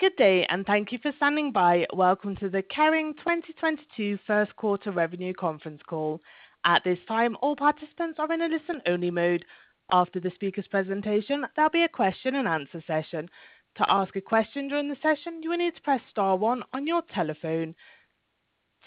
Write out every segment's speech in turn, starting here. Good day and thank you for standing by. Welcome to the Kering 2022 first quarter revenue conference call. At this time, all participants are in a listen-only mode. After the speaker's presentation, there'll be a question and answer session. To ask a question during the session, you will need to press star one on your telephone.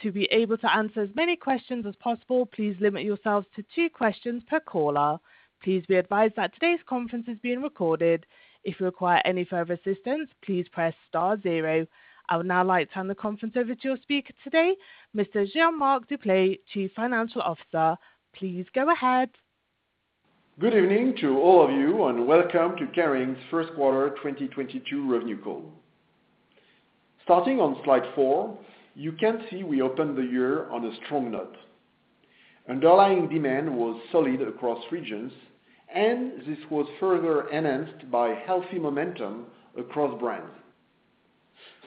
To be able to answer as many questions as possible, please limit yourselves to two questions per caller. Please be advised that today's conference is being recorded. If you require any further assistance, please press star zero. I would now like to hand the conference over to your speaker today, Mr. Jean-Marc Duplaix, Chief Financial Officer. Please go ahead. Good evening to all of you, and welcome to Kering's first quarter 2022 revenue call. Starting on slide four, you can see we opened the year on a strong note. Underlying demand was solid across regions, and this was further enhanced by healthy momentum across brands.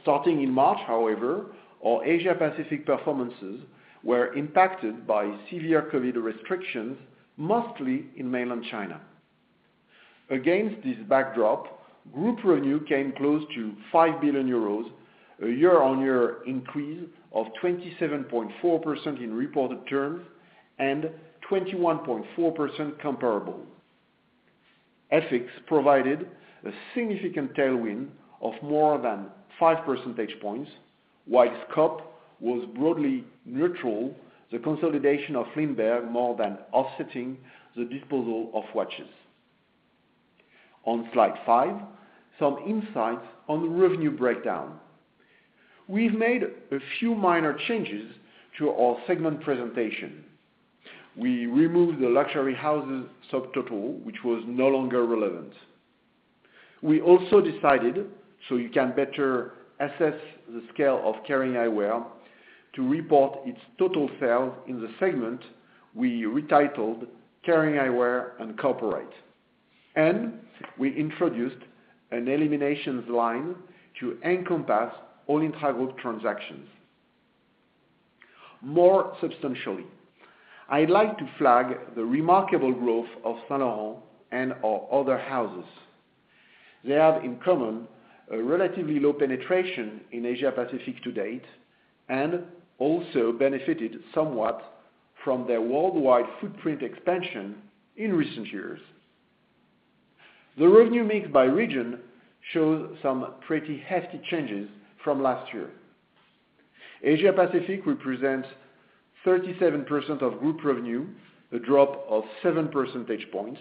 Starting in March, however, our Asia Pacific performances were impacted by severe COVID restrictions, mostly in mainland China. Against this backdrop, group revenue came close to 5 billion euros, a year-on-year increase of 27.4% in reported terms and 21.4% comparable. FX provided a significant tailwind of more than five percentage points, while scope was broadly neutral, the consolidation of Lindberg more than offsetting the disposal of watches. On slide five, some insights on the revenue breakdown. We've made a few minor changes to our segment presentation. We removed the luxury houses subtotal, which was no longer relevant. We also decided, so you can better assess the scale of Kering Eyewear, to report its total sales in the segment we retitled Kering Eyewear and Corporate, and we introduced an eliminations line to encompass all intra-group transactions. More substantially, I'd like to flag the remarkable growth of Saint Laurent and our other houses. They have in common a relatively low penetration in Asia Pacific to date and also benefited somewhat from their worldwide footprint expansion in recent years. The revenue mix by region shows some pretty hefty changes from last year. Asia Pacific represents 37% of group revenue, a drop of seven percentage points.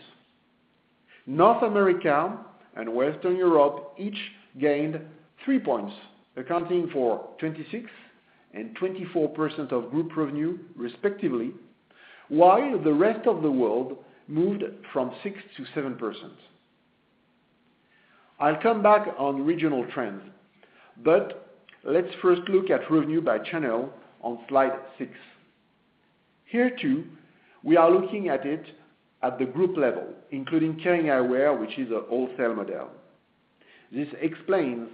North America and Western Europe each gained 3 points, accounting for 26% and 24% of group revenue, respectively. While the rest of the world moved from 6% to 7%. I'll come back on regional trends, but let's first look at revenue by channel on slide six. Here, too, we are looking at it at the group level, including Kering Eyewear, which is a wholesale model. This explains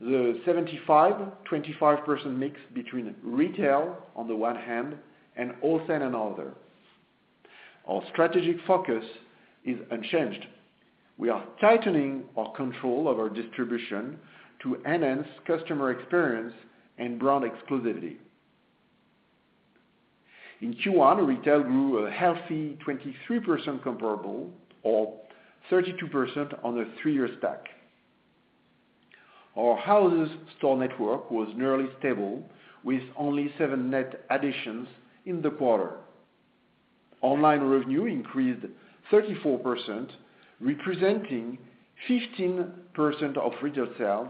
the 75%-25% mix between retail on the one hand and wholesale and other. Our strategic focus is unchanged. We are tightening our control of our distribution to enhance customer experience and brand exclusivity. In Q1, retail grew a healthy 23% comparable or 32% on a three-year stack. Our Houses' store network was nearly stable with only seven net additions in the quarter. Online revenue increased 34%, representing 15% of retail sales,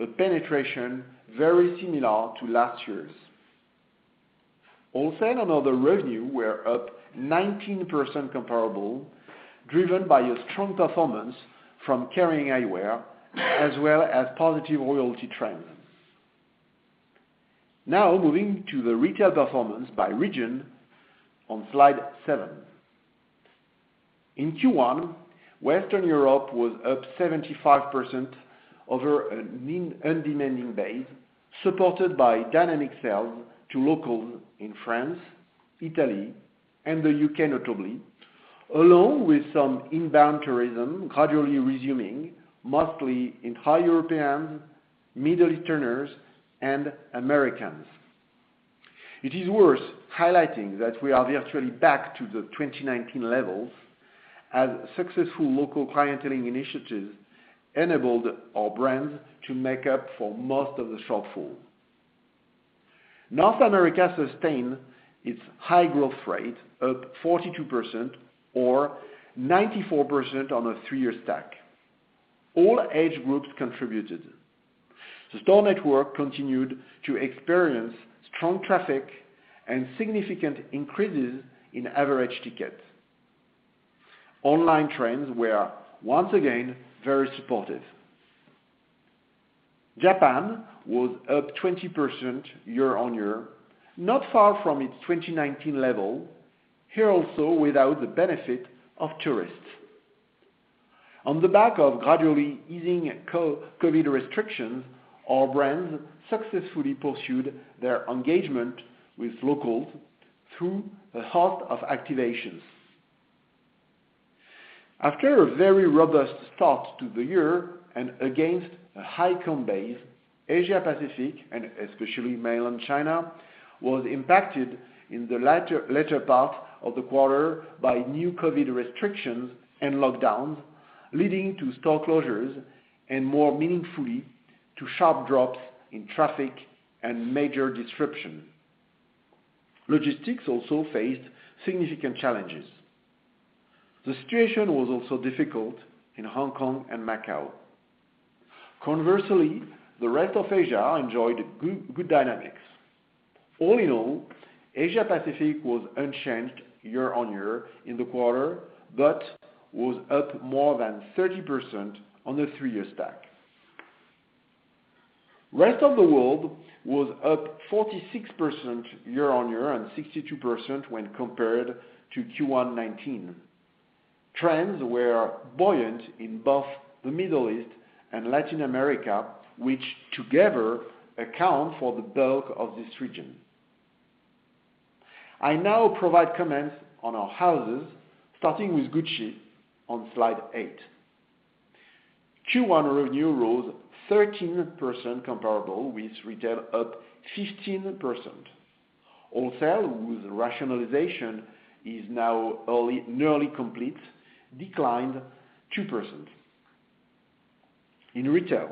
a penetration very similar to last year's. Wholesale and other revenue were up 19% comparable, driven by a strong performance from Kering Eyewear as well as positive royalty trends. Now moving to the retail performance by region on slide seven. In Q1, Western Europe was up 75% over an undemanding base, supported by dynamic sales to locals in France, Italy and the U.K. notably, along with some inbound tourism gradually resuming, mostly in high Europeans, Middle Easterners and Americans. It is worth highlighting that we are virtually back to the 2019 levels as successful local clienteling initiatives enabled our brands to make up for most of the shortfall. North America sustained its high growth rate, up 42% or 94% on a three-year stack. All age groups contributed. The store network continued to experience strong traffic and significant increases in average ticket. Online trends were once again very supportive. Japan was up 20% year-on-year, not far from its 2019 level, here also without the benefit of tourists. On the back of gradually easing COVID restrictions, our brands successfully pursued their engagement with locals through a host of activations. After a very robust start to the year and against a high comp base, Asia Pacific, and especially Mainland China, was impacted in the latter part of the quarter by new COVID restrictions and lockdowns, leading to store closures and more meaningfully, to sharp drops in traffic and major disruption. Logistics also faced significant challenges. The situation was also difficult in Hong Kong and Macau. Conversely, the rest of Asia enjoyed good dynamics. All in all, Asia Pacific was unchanged year on year in the quarter, but was up more than 30% on a three-year stack. Rest of the world was up 46% year on year, and 62% when compared to Q1 2019. Trends were buoyant in both the Middle East and Latin America, which together account for the bulk of this region. I now provide comments on our houses, starting with Gucci on Slide 8. Q1 revenue rose 13%, comparable with retail up 15%. Wholesale with rationalization is now nearly complete, declined 2%. In retail,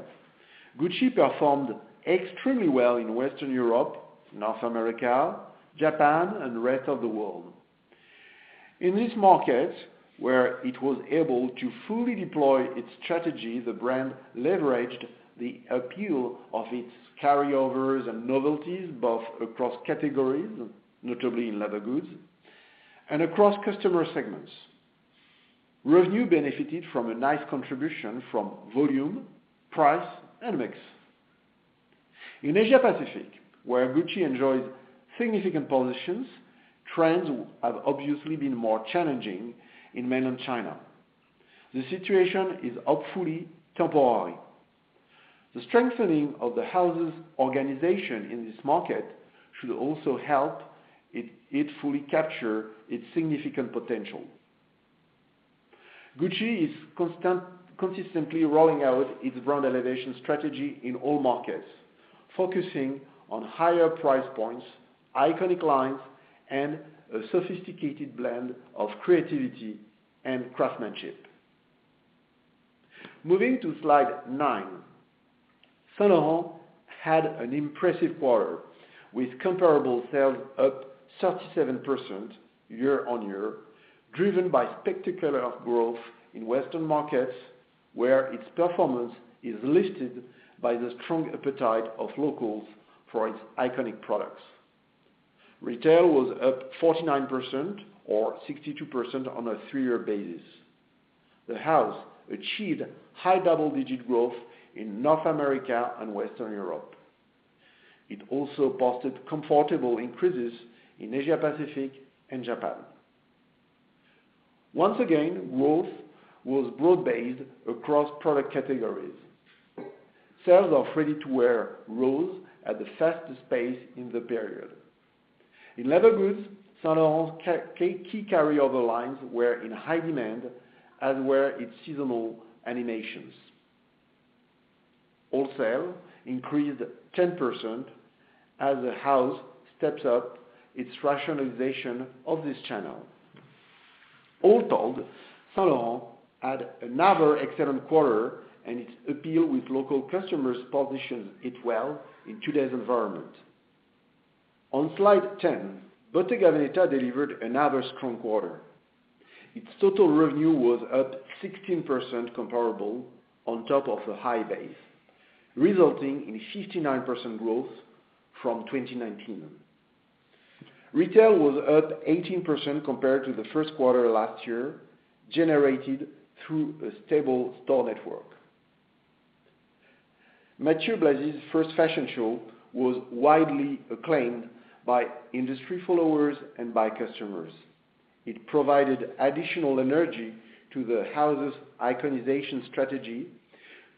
Gucci performed extremely well in Western Europe, North America, Japan, and rest of the world. In this market, where it was able to fully deploy its strategy, the brand leveraged the appeal of its carryovers and novelties, both across categories, notably in leather goods and across customer segments. Revenue benefited from a nice contribution from volume, price, and mix. In Asia Pacific, where Gucci enjoys significant positions, trends have obviously been more challenging in mainland China. The situation is hopefully temporary. The strengthening of the house's organization in this market should also help it fully capture its significant potential. Gucci is consistently rolling out its brand elevation strategy in all markets, focusing on higher price points, iconic lines, and a sophisticated blend of creativity and craftsmanship. Moving to Slide nine, Saint Laurent had an impressive quarter, with comparable sales up 37% year-on-year, driven by spectacular growth in Western markets, where its performance is lifted by the strong appetite of locals for its iconic products. Retail was up 49% or 62% on a three-year basis. The house achieved high double-digit growth in North America and Western Europe. It also posted comfortable increases in Asia Pacific and Japan. Once again, growth was broad-based across product categories. Sales of ready-to-wear rose at the fastest pace in the period. In leather goods, Saint Laurent's key carryover lines were in high demand, as were its seasonal animations. Wholesale increased 10% as the house steps up its rationalization of this channel. All told, Saint Laurent had another excellent quarter, and its appeal with local customers positions it well in today's environment. On Slide 10, Bottega Veneta delivered another strong quarter. Its total revenue was up 16% comparable on top of a high base, resulting in 59% growth from 2019. Retail was up 18% compared to the first quarter last year, generated through a stable store network. Matthieu Blazy's first fashion show was widely acclaimed by industry followers and by customers. It provided additional energy to the house's iconization strategy,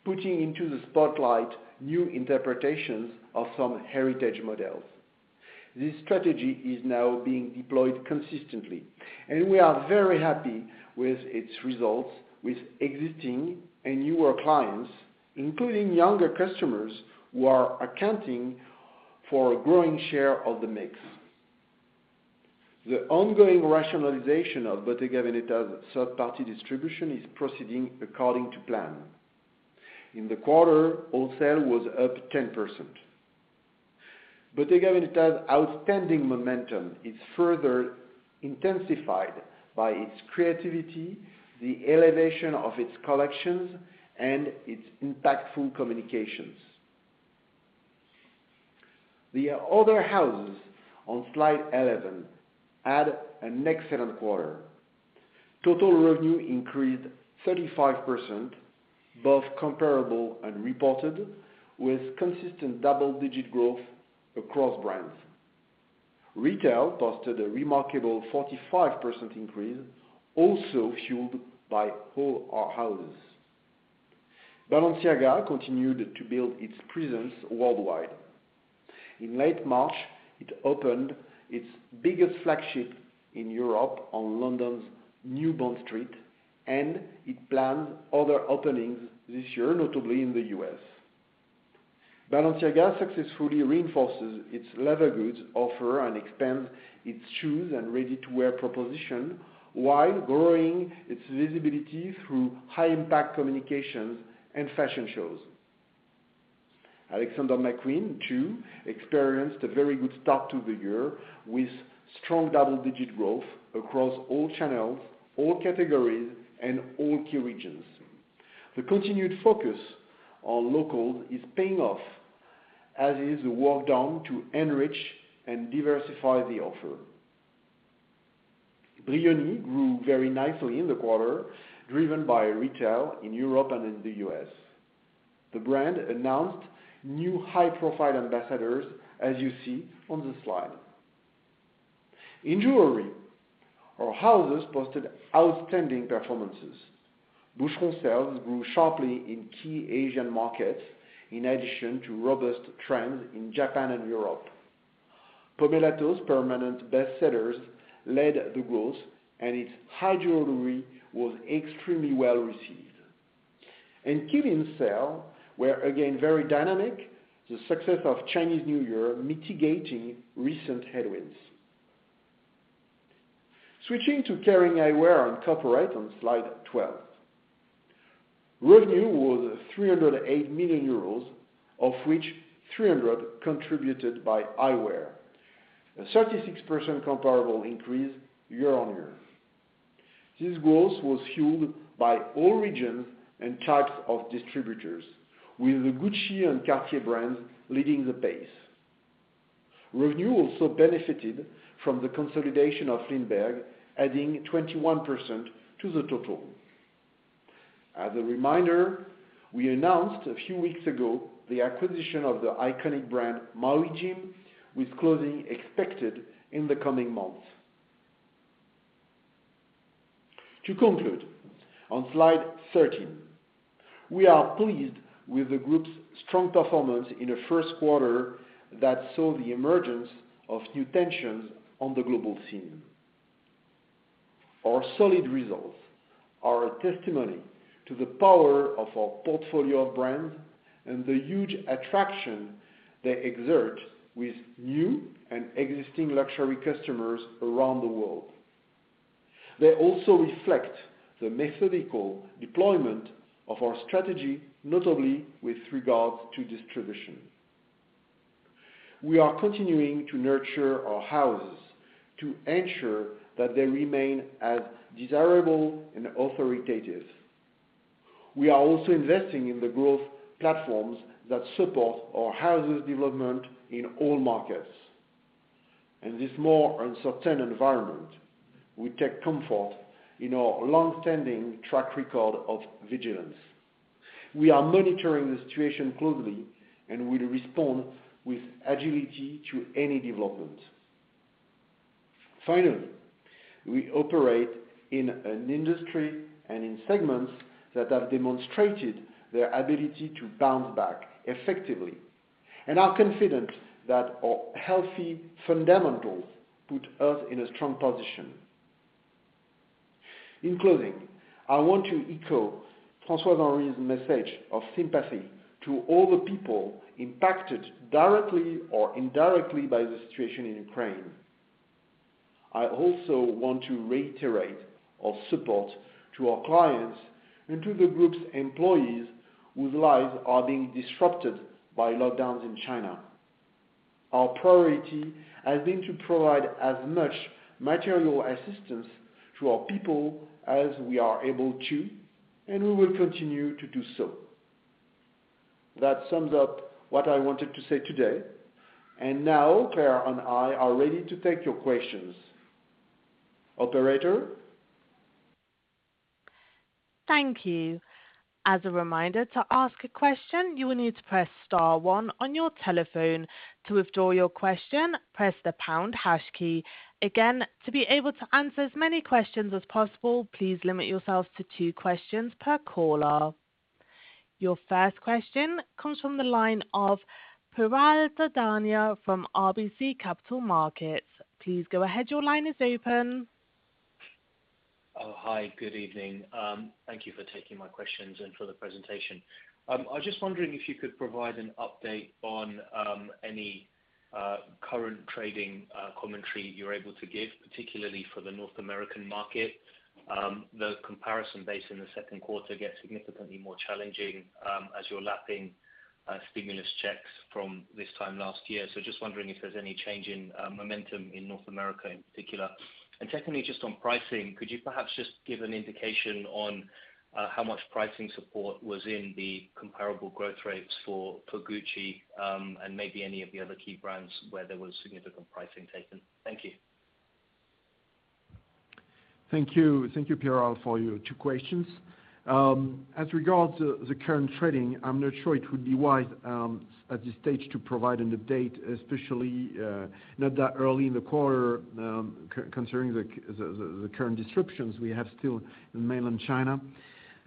putting into the spotlight new interpretations of some heritage models. This strategy is now being deployed consistently, and we are very happy with its results with existing and newer clients, including younger customers who are accounting for a growing share of the mix. The ongoing rationalization of Bottega Veneta's third-party distribution is proceeding according to plan. In the quarter, wholesale was up 10%. Bottega Veneta's outstanding momentum is further intensified by its creativity, the elevation of its collections, and its impactful communications. The other houses on Slide 11 had an excellent quarter. Total revenue increased 35%, both comparable and reported, with consistent double-digit growth across brands. Retail posted a remarkable 45% increase, also fueled by all our houses. Balenciaga continued to build its presence worldwide. In late March, it opened its biggest flagship in Europe on London's New Bond Street, and it plans other openings this year, notably in the U.S. Balenciaga successfully reinforces its leather goods offer and expands its shoes and ready-to-wear proposition while growing its visibility through high-impact communications and fashion shows. Alexander McQueen, too, experienced a very good start to the year with strong double-digit growth across all channels, all categories, and all key regions. The continued focus on locals is paying off, as is the work done to enrich and diversify the offer. Brioni grew very nicely in the quarter, driven by retail in Europe and in the U.S. The brand announced new high-profile ambassadors, as you see on the slide. In jewelry, our houses posted outstanding performances. Boucheron sales grew sharply in key Asian markets in addition to robust trends in Japan and Europe. Pomellato's permanent bestsellers led the growth, and its high jewelry was extremely well-received. Qeelin sales were again very dynamic, the success of Chinese New Year mitigating recent headwinds. Switching to Kering Eyewear and Corporate on slide 12. Revenue was 308 million euros, of which 300 million contributed by Eyewear, a 36% comparable increase year-on-year. This growth was fueled by all regions and types of distributors, with the Gucci and Cartier brands leading the pace. Revenue also benefited from the consolidation of Lindberg, adding 21% to the total. As a reminder, we announced a few weeks ago the acquisition of the iconic brand Maui Jim, with closing expected in the coming months. To conclude, on slide 13, we are pleased with the group's strong performance in a first quarter that saw the emergence of new tensions on the global scene. Our solid results are a testimony to the power of our portfolio of brands and the huge attraction they exert with new and existing luxury customers around the world. They also reflect the methodical deployment of our strategy, notably with regards to distribution. We are continuing to nurture our houses to ensure that they remain as desirable and authoritative. We are also investing in the growth platforms that support our houses' development in all markets. In this more uncertain environment, we take comfort in our long-standing track record of vigilance. We are monitoring the situation closely and will respond with agility to any development. Finally, we operate in an industry and in segments that have demonstrated their ability to bounce back effectively and are confident that our healthy fundamentals put us in a strong position. In closing, I want to echo François-Henri's message of sympathy to all the people impacted directly or indirectly by the situation in Ukraine. I also want to reiterate our support to our clients and to the group's employees whose lives are being disrupted by lockdowns in China. Our priority has been to provide as much material assistance to our people as we are able to, and we will continue to do so. That sums up what I wanted to say today. Now, Claire and I are ready to take your questions. Operator? Thank you. As a reminder, to ask a question, you will need to press star one on your telephone. To withdraw your question, press the pound hash key. Again, to be able to answer as many questions as possible, please limit yourselves to two questions per caller. Your first question comes from the line of Piral Dadhania from RBC Capital Markets. Please go ahead. Your line is open. Oh, hi, good evening. Thank you for taking my questions and for the presentation. I was just wondering if you could provide an update on any current trading commentary you're able to give, particularly for the North American market. The comparison base in the second quarter gets significantly more challenging, as you're lapping stimulus checks from this time last year. Just wondering if there's any change in momentum in North America in particular. Secondly, just on pricing, could you perhaps just give an indication on how much pricing support was in the comparable growth rates for Gucci, and maybe any of the other key brands where there was significant pricing taken? Thank you. Thank you. Thank you, Piral, for your two questions. As regards the current trading, I'm not sure it would be wise at this stage to provide an update, especially not that early in the quarter, considering the current disruptions we have still in mainland China.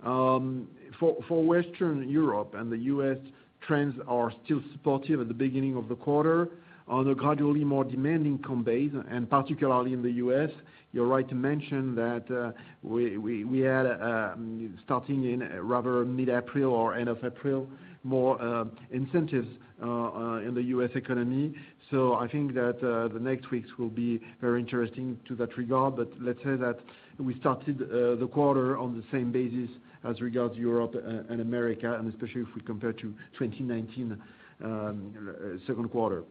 For Western Europe and the U.S., trends are still supportive at the beginning of the quarter on a gradually more demanding comp base, and particularly in the U.S., you're right to mention that we had starting in rather mid-April or end of April, more incentives in the U.S. economy. I think that the next weeks will be very interesting in that regard. Let's say that we started the quarter on the same basis as regards Europe and America, and especially if we compare to 2019 second quarter.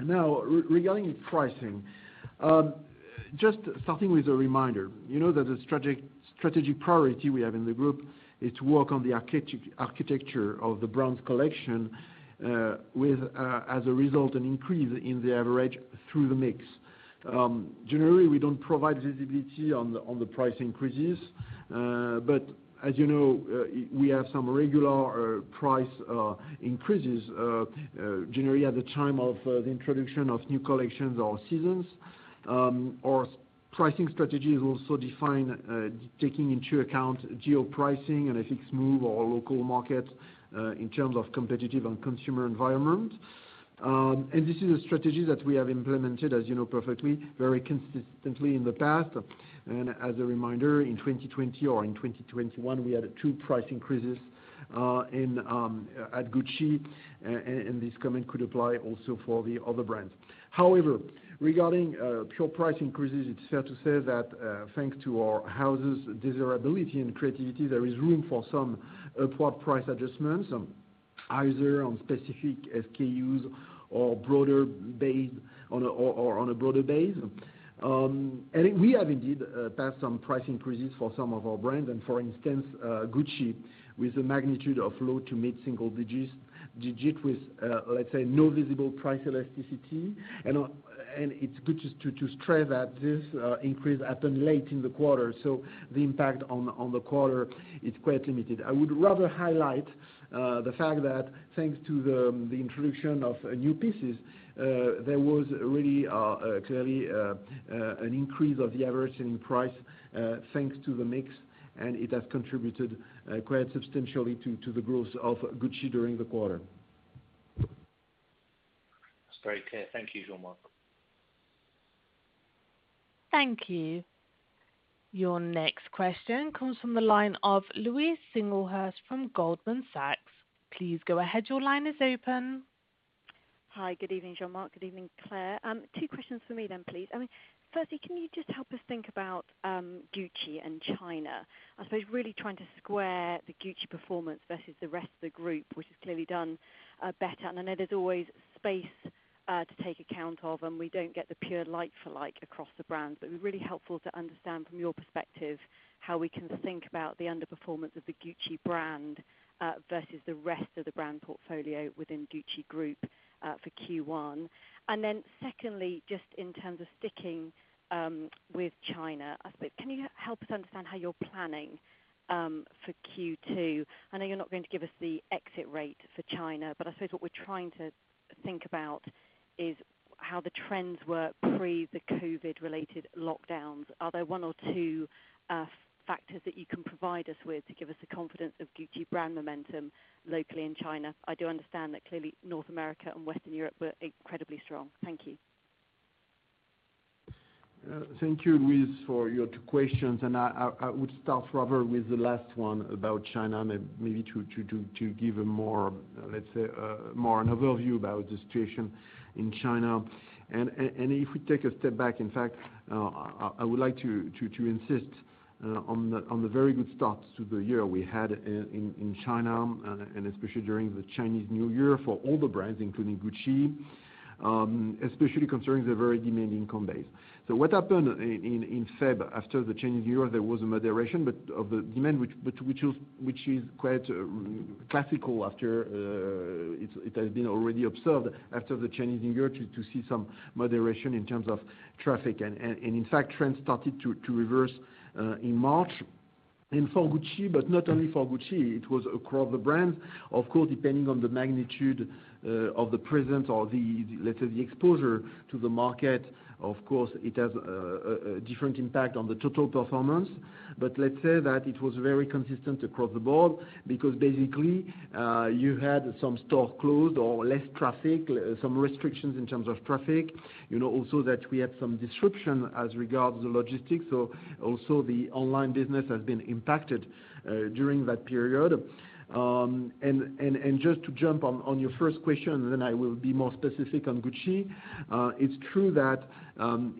Now, regarding pricing, just starting with a reminder. You know that the strategic priority we have in the group is to work on the architecture of the brand's collection, with as a result, an increase in the average through the mix. Generally, we don't provide visibility on the price increases. As you know, we have some regular price increases, generally at the time of the introduction of new collections or seasons. Our pricing strategy is also defined, taking into account geo pricing, and I think such as our local market, in terms of competitive and consumer environment. This is a strategy that we have implemented, as you know, perfectly, very consistently in the past. As a reminder, in 2020 or in 2021, we had two price increases in at Gucci, and this comment could apply also for the other brands. However, regarding pure price increases, it's fair to say that, thanks to our houses' desirability and creativity, there is room for some upward price adjustments, either on specific SKUs or on a broader base. We have indeed passed some price increases for some of our brands. For instance, Gucci, with a magnitude of low- to mid-single-digit with, let's say no visible price elasticity. It's good to stress that this increase happened late in the quarter, so the impact on the quarter is quite limited. I would rather highlight the fact that thanks to the introduction of new pieces, there was really clearly an increase of the average selling price, thanks to the mix, and it has contributed quite substantially to the growth of Gucci during the quarter. That's very clear. Thank you, Jean-Marc. Thank you. Your next question comes from the line of Louise Singlehurst from Goldman Sachs. Please go ahead. Your line is open. Hi. Good evening, Jean-Marc. Good evening, Claire. Two questions for me then, please. I mean, firstly, can you just help us think about Gucci and China? I suppose really trying to square the Gucci performance versus the rest of the group, which has clearly done better. I know there's always space to take account of, and we don't get the pure like for like across the brands, but it would be really helpful to understand from your perspective how we can think about the underperformance of the Gucci brand versus the rest of the brand portfolio within Kering group for Q1. Then secondly, just in terms of sticking with China, I suppose, can you help us understand how you're planning for Q2? I know you're not going to give us the exit rate for China, but I suppose what we're trying to think about is how the trends were pre the COVID-related lockdowns. Are there one or two factors that you can provide us with to give us the confidence of Gucci brand momentum locally in China? I do understand that clearly North America and Western Europe were incredibly strong. Thank you. Thank you, Louise, for your two questions, and I would start rather with the last one about China, maybe to give a more, let's say, more of an overview about the situation in China. If we take a step back, in fact, I would like to insist on the very good starts to the year we had in China, and especially during the Chinese New Year for all the brands, including Gucci, especially concerning the very demanding comp base. What happened in February, after the Chinese New Year, there was a moderation in the demand, which is quite classical after it has already been observed after the Chinese New Year to see some moderation in terms of traffic. In fact, trends started to reverse in March. For Gucci, but not only for Gucci, it was across the brands. Of course, depending on the magnitude of the presence or the, let's say, the exposure to the market, of course, it has a different impact on the total performance. Let's say that it was very consistent across the board because basically, you had some stores closed or less traffic, some restrictions in terms of traffic, you know, also that we had some disruption as regards the logistics. Also the online business has been impacted during that period. Just to jump on your first question, and then I will be more specific on Gucci. It's true that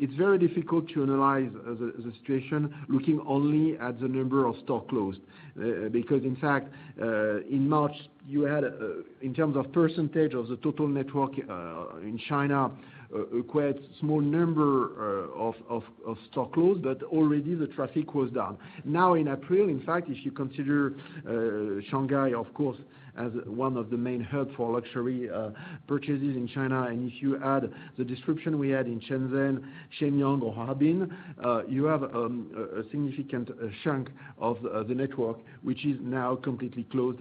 it's very difficult to analyze the situation looking only at the number of stores closed. Because in fact, in March, you had, in terms of percentage of the total network, in China, quite small number of stores closed, but already the traffic was down. Now in April, in fact, if you consider Shanghai, of course, as one of the main hub for luxury purchases in China, and if you add the disruption we had in Shenzhen, Shenyang or Harbin, you have a significant chunk of the network, which is now completely closed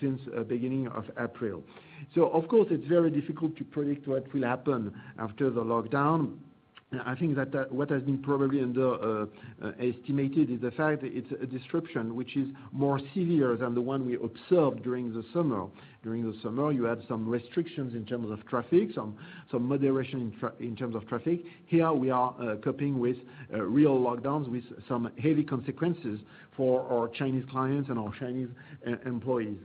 since beginning of April. Of course, it's very difficult to predict what will happen after the lockdown. I think that what has been probably underestimated is the fact it's a disruption which is more severe than the one we observed during the summer. During the summer, you had some restrictions in terms of traffic, some moderation in terms of traffic. Here we are coping with real lockdowns with some heavy consequences for our Chinese clients and our Chinese employees.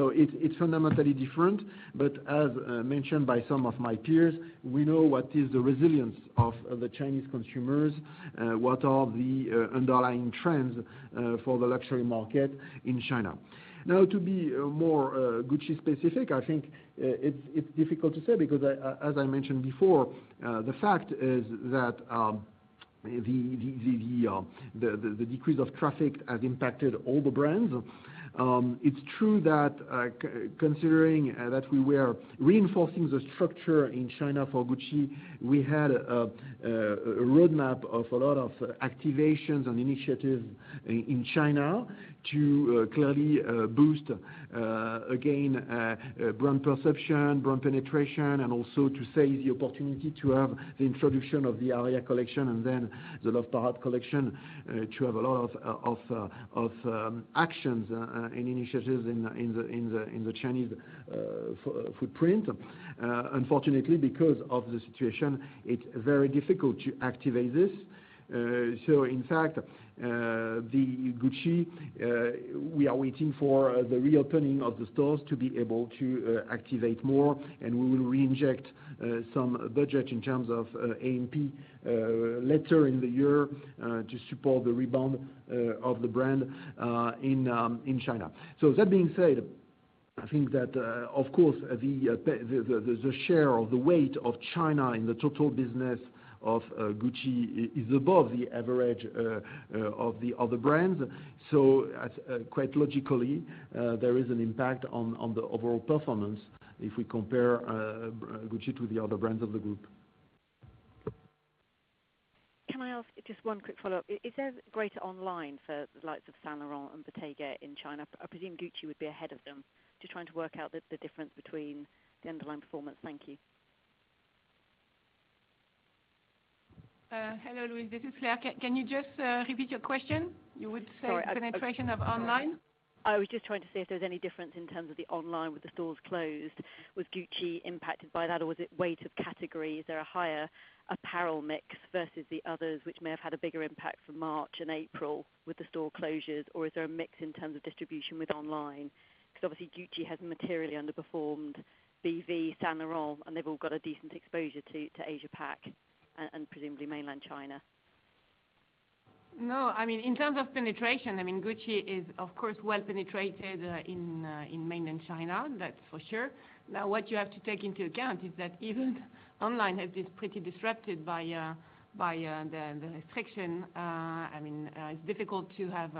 It's fundamentally different, but as mentioned by some of my peers, we know what is the resilience of the Chinese consumers, what are the underlying trends for the luxury market in China. Now, to be more Gucci specific, I think it's difficult to say because I, as I mentioned before, the fact is that the decrease of traffic has impacted all the brands. It's true that considering that we were reinforcing the structure in China for Gucci, we had a roadmap of a lot of activations and initiatives in China to clearly boost again brand perception, brand penetration, and also to seize the opportunity to have the introduction of the Aria collection and then the Love Parade collection to have a lot of actions and initiatives in the Chinese footprint. Unfortunately, because of the situation, it's very difficult to activate this. In fact, the Gucci, we are waiting for the reopening of the stores to be able to activate more, and we will reinject some budget in terms of AMP later in the year to support the rebound of the brand in China. With that being said, I think that of course, the share or the weight of China in the total business of Gucci is above the average of the other brands. Quite logically, there is an impact on the overall performance if we compare Gucci to the other brands of the group. Can I ask just one quick follow-up? Is there greater online for the likes of Saint Laurent and Bottega in China? I presume Gucci would be ahead of them. Just trying to work out the difference between the underlying performance. Thank you. Hello, Louise. This is Claire. Can you just repeat your question? You would say. Sorry. penetration of online. I was just trying to see if there's any difference in terms of the online with the stores closed. Was Gucci impacted by that or was it weight of categories or a higher apparel mix versus the others which may have had a bigger impact for March and April with the store closures, or is there a mix in terms of distribution with online? Because obviously Gucci has materially underperformed BV, Saint Laurent, and they've all got a decent exposure to Asia-Pac and presumably mainland China. No, I mean in terms of penetration, I mean Gucci is, of course, well penetrated in mainland China, that's for sure. Now, what you have to take into account is that even online has been pretty disrupted by the restriction. I mean, it's difficult to have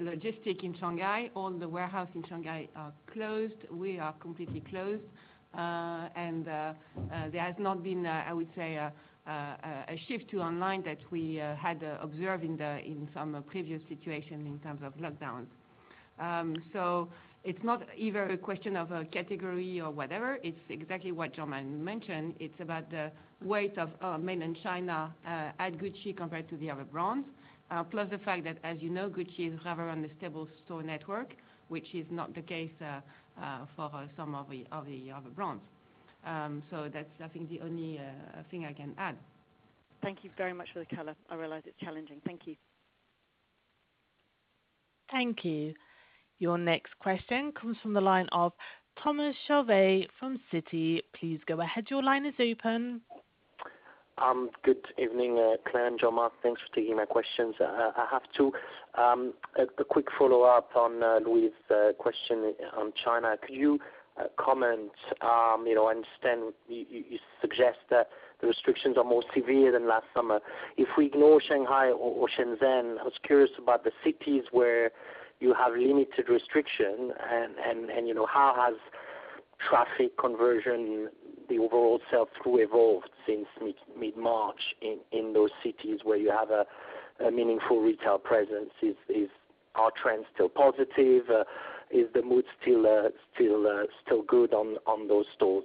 logistics in Shanghai. All the warehouses in Shanghai are closed. We are completely closed. There has not been, I would say, a shift to online that we had observed in some previous situation in terms of lockdowns. It's not either a question of a category or whatever, it's exactly what Jean-Marc mentioned. It's about the weight of mainland China at Gucci compared to the other brands. The fact that, as you know, Gucci has rather unstable store network, which is not the case for some of the other brands. That's, I think, the only thing I can add. Thank you very much for the color. I realize it's challenging. Thank you. Thank you. Your next question comes from the line of Thomas Chauvet from Citi. Please go ahead. Your line is open. Good evening, Claire and Jean-Marc. Thanks for taking my questions. I have two. A quick follow-up on Louise's question on China. Could you comment, you know, I understand you suggest that the restrictions are more severe than last summer. If we ignore Shanghai or Shenzhen, I was curious about the cities where you have limited restriction and, you know, how has traffic conversion, the overall sell-through evolved since mid-March in those cities where you have a meaningful retail presence? Are trends still positive? Is the mood still good on those stores?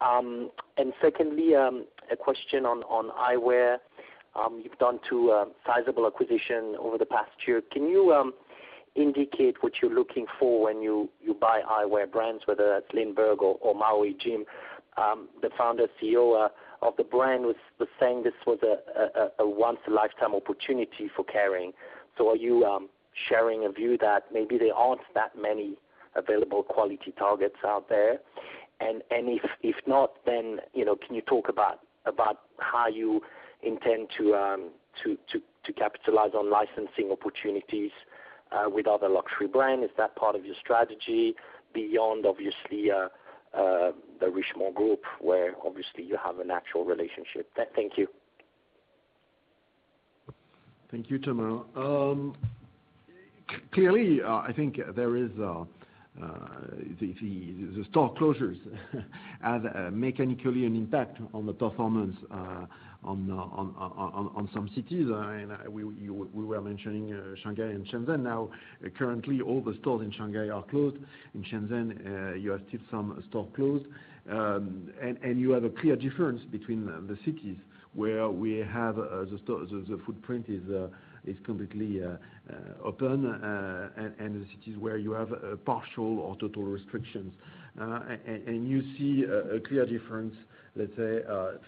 And secondly, a question on eyewear. You've done two sizable acquisition over the past year. Can you indicate what you're looking for when you buy eyewear brands, whether that's Lindberg or Maui Jim? The founder CEO of the brand was saying this was a once in a lifetime opportunity for Kering. Are you sharing a view that maybe there aren't that many available quality targets out there? And if not, then you know, can you talk about how you intend to capitalize on licensing opportunities with other luxury brand? Is that part of your strategy beyond obviously the Richemont group, where obviously you have a natural relationship? Thank you. Thank you, Thomas. Clearly, I think there is, the store closures have mechanically an impact on the performance on some cities. We were mentioning Shanghai and Shenzhen. Now, currently all the stores in Shanghai are closed. In Shenzhen, you have still some store closed. You have a clear difference between the cities where we have the footprint is completely open, and the cities where you have a partial or total restrictions. You see a clear difference, let's say,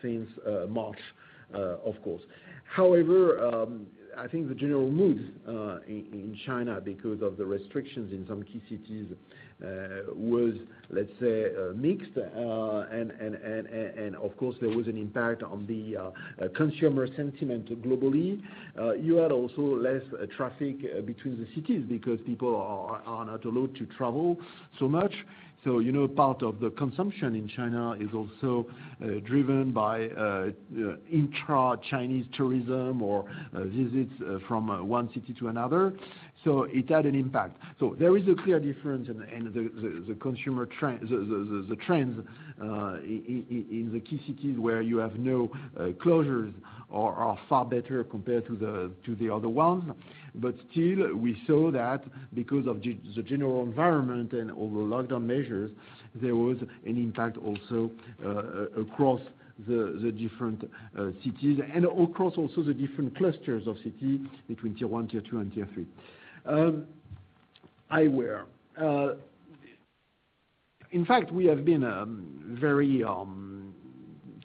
since March, of course. However, I think the general mood in China because of the restrictions in some key cities was, let's say, mixed. Of course, there was an impact on the consumer sentiment globally. You had also less traffic between the cities because people are not allowed to travel so much. You know, part of the consumption in China is also driven by intra-Chinese tourism or visits from one city to another. It had an impact. There is a clear difference in the consumer trends in the key cities where you have no closures are far better compared to the other ones. Still, we saw that because of the general environment and all the lockdown measures, there was an impact also across the different cities and across also the different clusters of cities between tier one, tier two and tier three. Eyewear. In fact, we have been very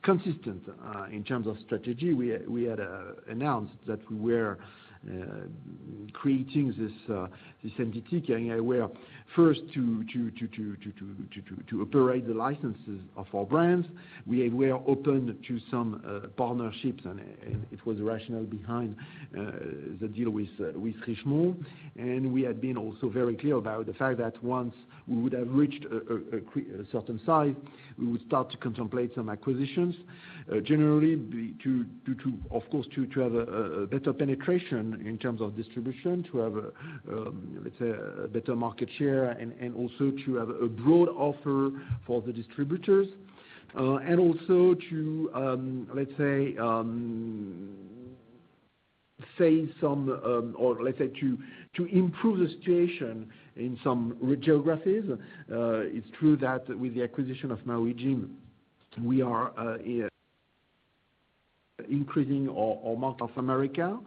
consistent in terms of strategy. We had announced that we were creating this entity, Kering Eyewear, first to operate the licenses of our brands. We were open to some partnerships, and it was the rationale behind the deal with Richemont. We had been also very clear about the fact that once we would have reached a certain size, we would start to contemplate some acquisitions, generally due to, of course, to have a better penetration in terms of distribution, to have, let's say, a better market share and also to have a broad offer for the distributors, and also to, let's say, or to improve the situation in some geographies. It's true that with the acquisition of Maui Jim, we are increasing our market in America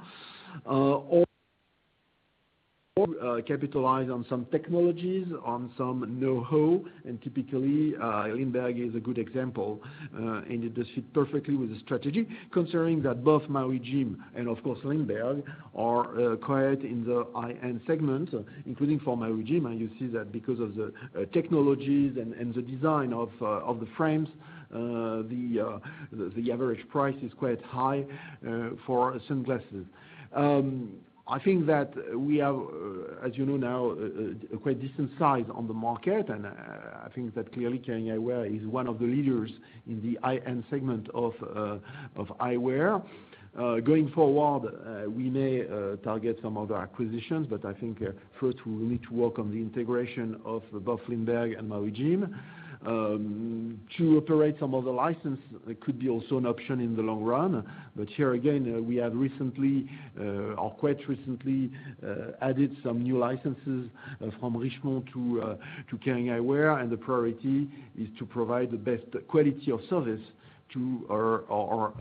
or capitalize on some technologies, on some know-how. Typically, Lindberg is a good example, and it does fit perfectly with the strategy concerning that both Maui Jim and of course, Lindberg are quite in the high-end segment, including for Maui Jim. You see that because of the technologies and the design of the frames, the average price is quite high for sunglasses. I think that we have, as you know now, a quite decent size on the market. I think that clearly Kering Eyewear is one of the leaders in the high-end segment of eyewear. Going forward, we may target some other acquisitions, but I think first we will need to work on the integration of both Lindberg and Maui Jim. To operate some of the license could be also an option in the long run. Here again, we have recently or quite recently added some new licenses from Richemont to Kering Eyewear, and the priority is to provide the best quality of service to our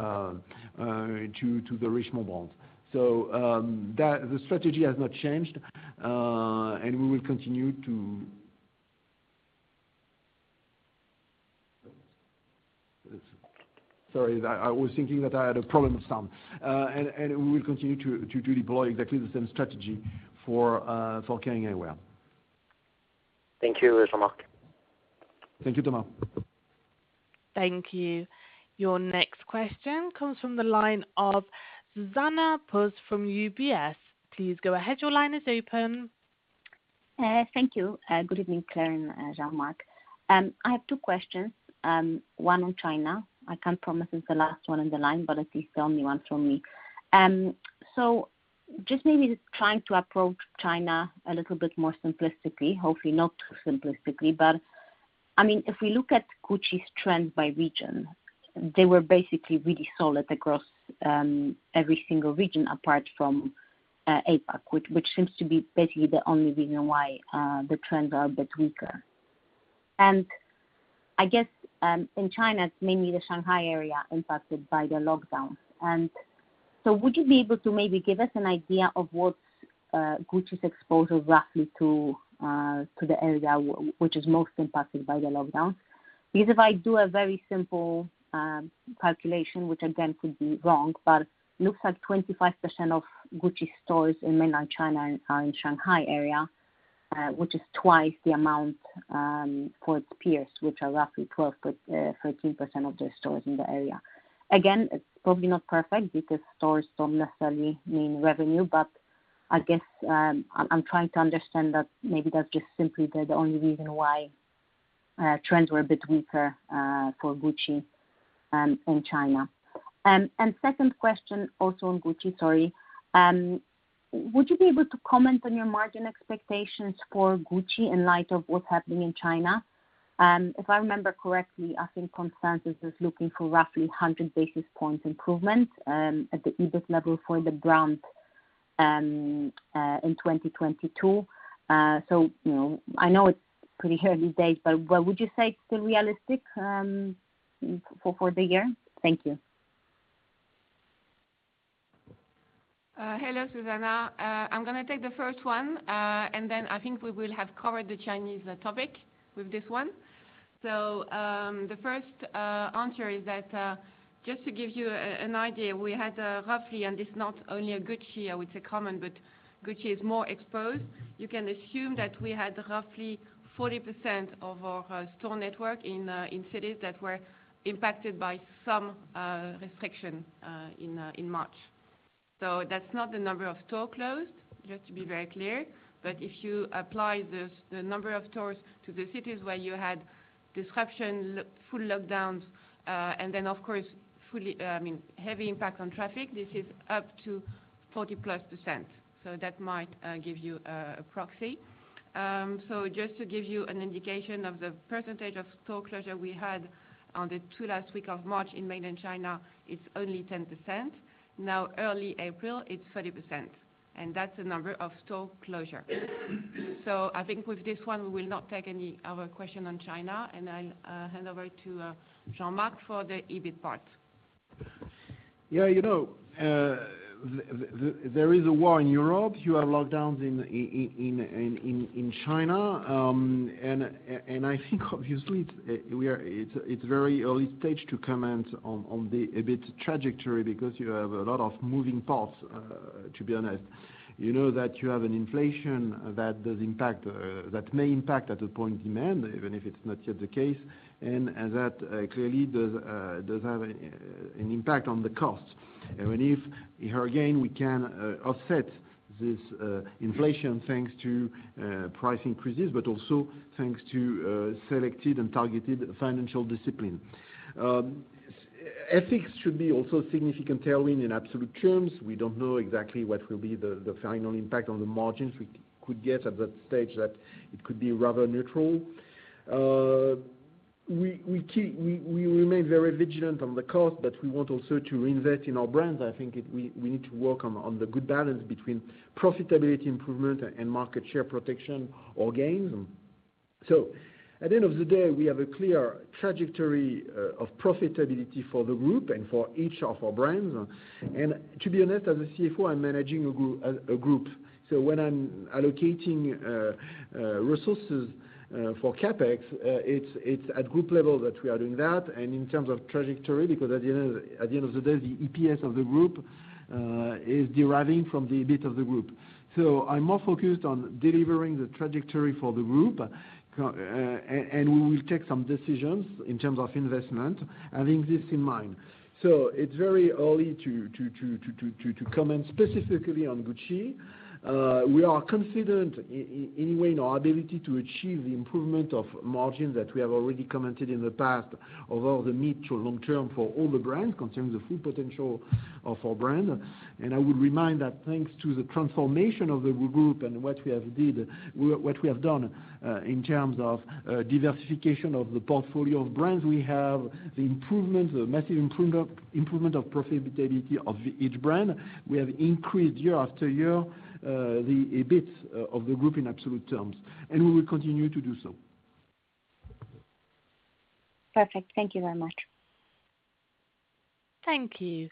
to the Richemont brands. That the strategy has not changed. Sorry, I was thinking that I had a problem with sound. We will continue to deploy exactly the same strategy for Kering Eyewear. Thank you, Jean-Marc Duplaix. Thank you, Thomas. Thank you. Your next question comes from the line of Zuzanna Pusz from UBS. Please go ahead. Your line is open. Thank you. Good evening, Claire and Jean-Marc Duplaix. I have two questions, one on China. I can't promise it's the last one on the line, but at least the only one from me. Just maybe trying to approach China a little bit more simplistically, hopefully not too simplistically, but I mean, if we look at Gucci's trend by region, they were basically really solid across every single region apart from APAC, which seems to be basically the only reason why the trends are a bit weaker. I guess in China, it's mainly the Shanghai area impacted by the lockdowns. Would you be able to maybe give us an idea of what's Gucci's exposure roughly to the area which is most impacted by the lockdown? Because if I do a very simple calculation, which again could be wrong, but looks like 25% of Gucci stores in mainland China are in Shanghai area, which is twice the amount for its peers, which are roughly 12-13% of their stores in the area. Again, it's probably not perfect because stores don't necessarily mean revenue. I guess I'm trying to understand that maybe that's just simply the only reason why trends were a bit weaker for Gucci in China. Second question also on Gucci. Sorry. Would you be able to comment on your margin expectations for Gucci in light of what's happening in China? If I remember correctly, I think consensus is looking for roughly 100 basis points improvement at the EBIT level for the brand in 2022. You know, I know it's pretty early days, but would you say it's still realistic for the year? Thank you. Hello, Zuzanna. I'm gonna take the first one, and then I think we will have covered the Chinese topic with this one. The first answer is that, just to give you an idea, we had roughly, and it's not only at Gucci, which is common, but Gucci is more exposed. You can assume that we had roughly 40% of our store network in cities that were impacted by some restriction in March. That's not the number of stores closed, just to be very clear. If you apply this, the number of stores to the cities where you had disruption, lockdowns, and then of course, I mean, heavy impact on traffic, this is up to 40+%. That might give you a proxy. Just to give you an indication of the percentage of store closure we had on the two last week of March in Mainland China, it's only 10%. Now, early April, it's 30%, and that's the number of store closure. I think with this one, we will not take any other question on China, and I'll hand over to Jean-Marc for the EBIT part. Yeah. You know, there is a war in Europe, you have lockdowns in China. I think obviously it's very early stage to comment on the EBIT trajectory because you have a lot of moving parts, to be honest. You know that you have an inflation that does impact, that may impact demand at some point, even if it's not yet the case. That clearly does have an impact on the cost. Even if, here again, we can offset this inflation thanks to price increases, but also thanks to selected and targeted financial discipline. FX should be also significant tailwind in absolute terms. We don't know exactly what will be the final impact on the margins. We could get at that stage that it could be rather neutral. We remain very vigilant on the cost, but we want also to reinvest in our brands. We need to work on the good balance between profitability improvement and market share protection or gains. At the end of the day, we have a clear trajectory of profitability for the group and for each of our brands. To be honest, as a CFO, I'm managing a group. When I'm allocating resources for CapEx, it's at group level that we are doing that. In terms of trajectory, because at the end of the day, the EPS of the group is deriving from the EBIT of the group. I'm more focused on delivering the trajectory for the group. We will take some decisions in terms of investment, having this in mind. It's very early to comment specifically on Gucci. We are confident in any way in our ability to achieve the improvement of margins that we have already commented in the past, over the mid to long term for all the brands, considering the full potential of our brand. I would remind that thanks to the transformation of the group and what we have done in terms of diversification of the portfolio of brands, we have the massive improvement of profitability of each brand. We have increased year after year the EBIT of the group in absolute terms, and we will continue to do so. Perfect. Thank you very much. Thank you.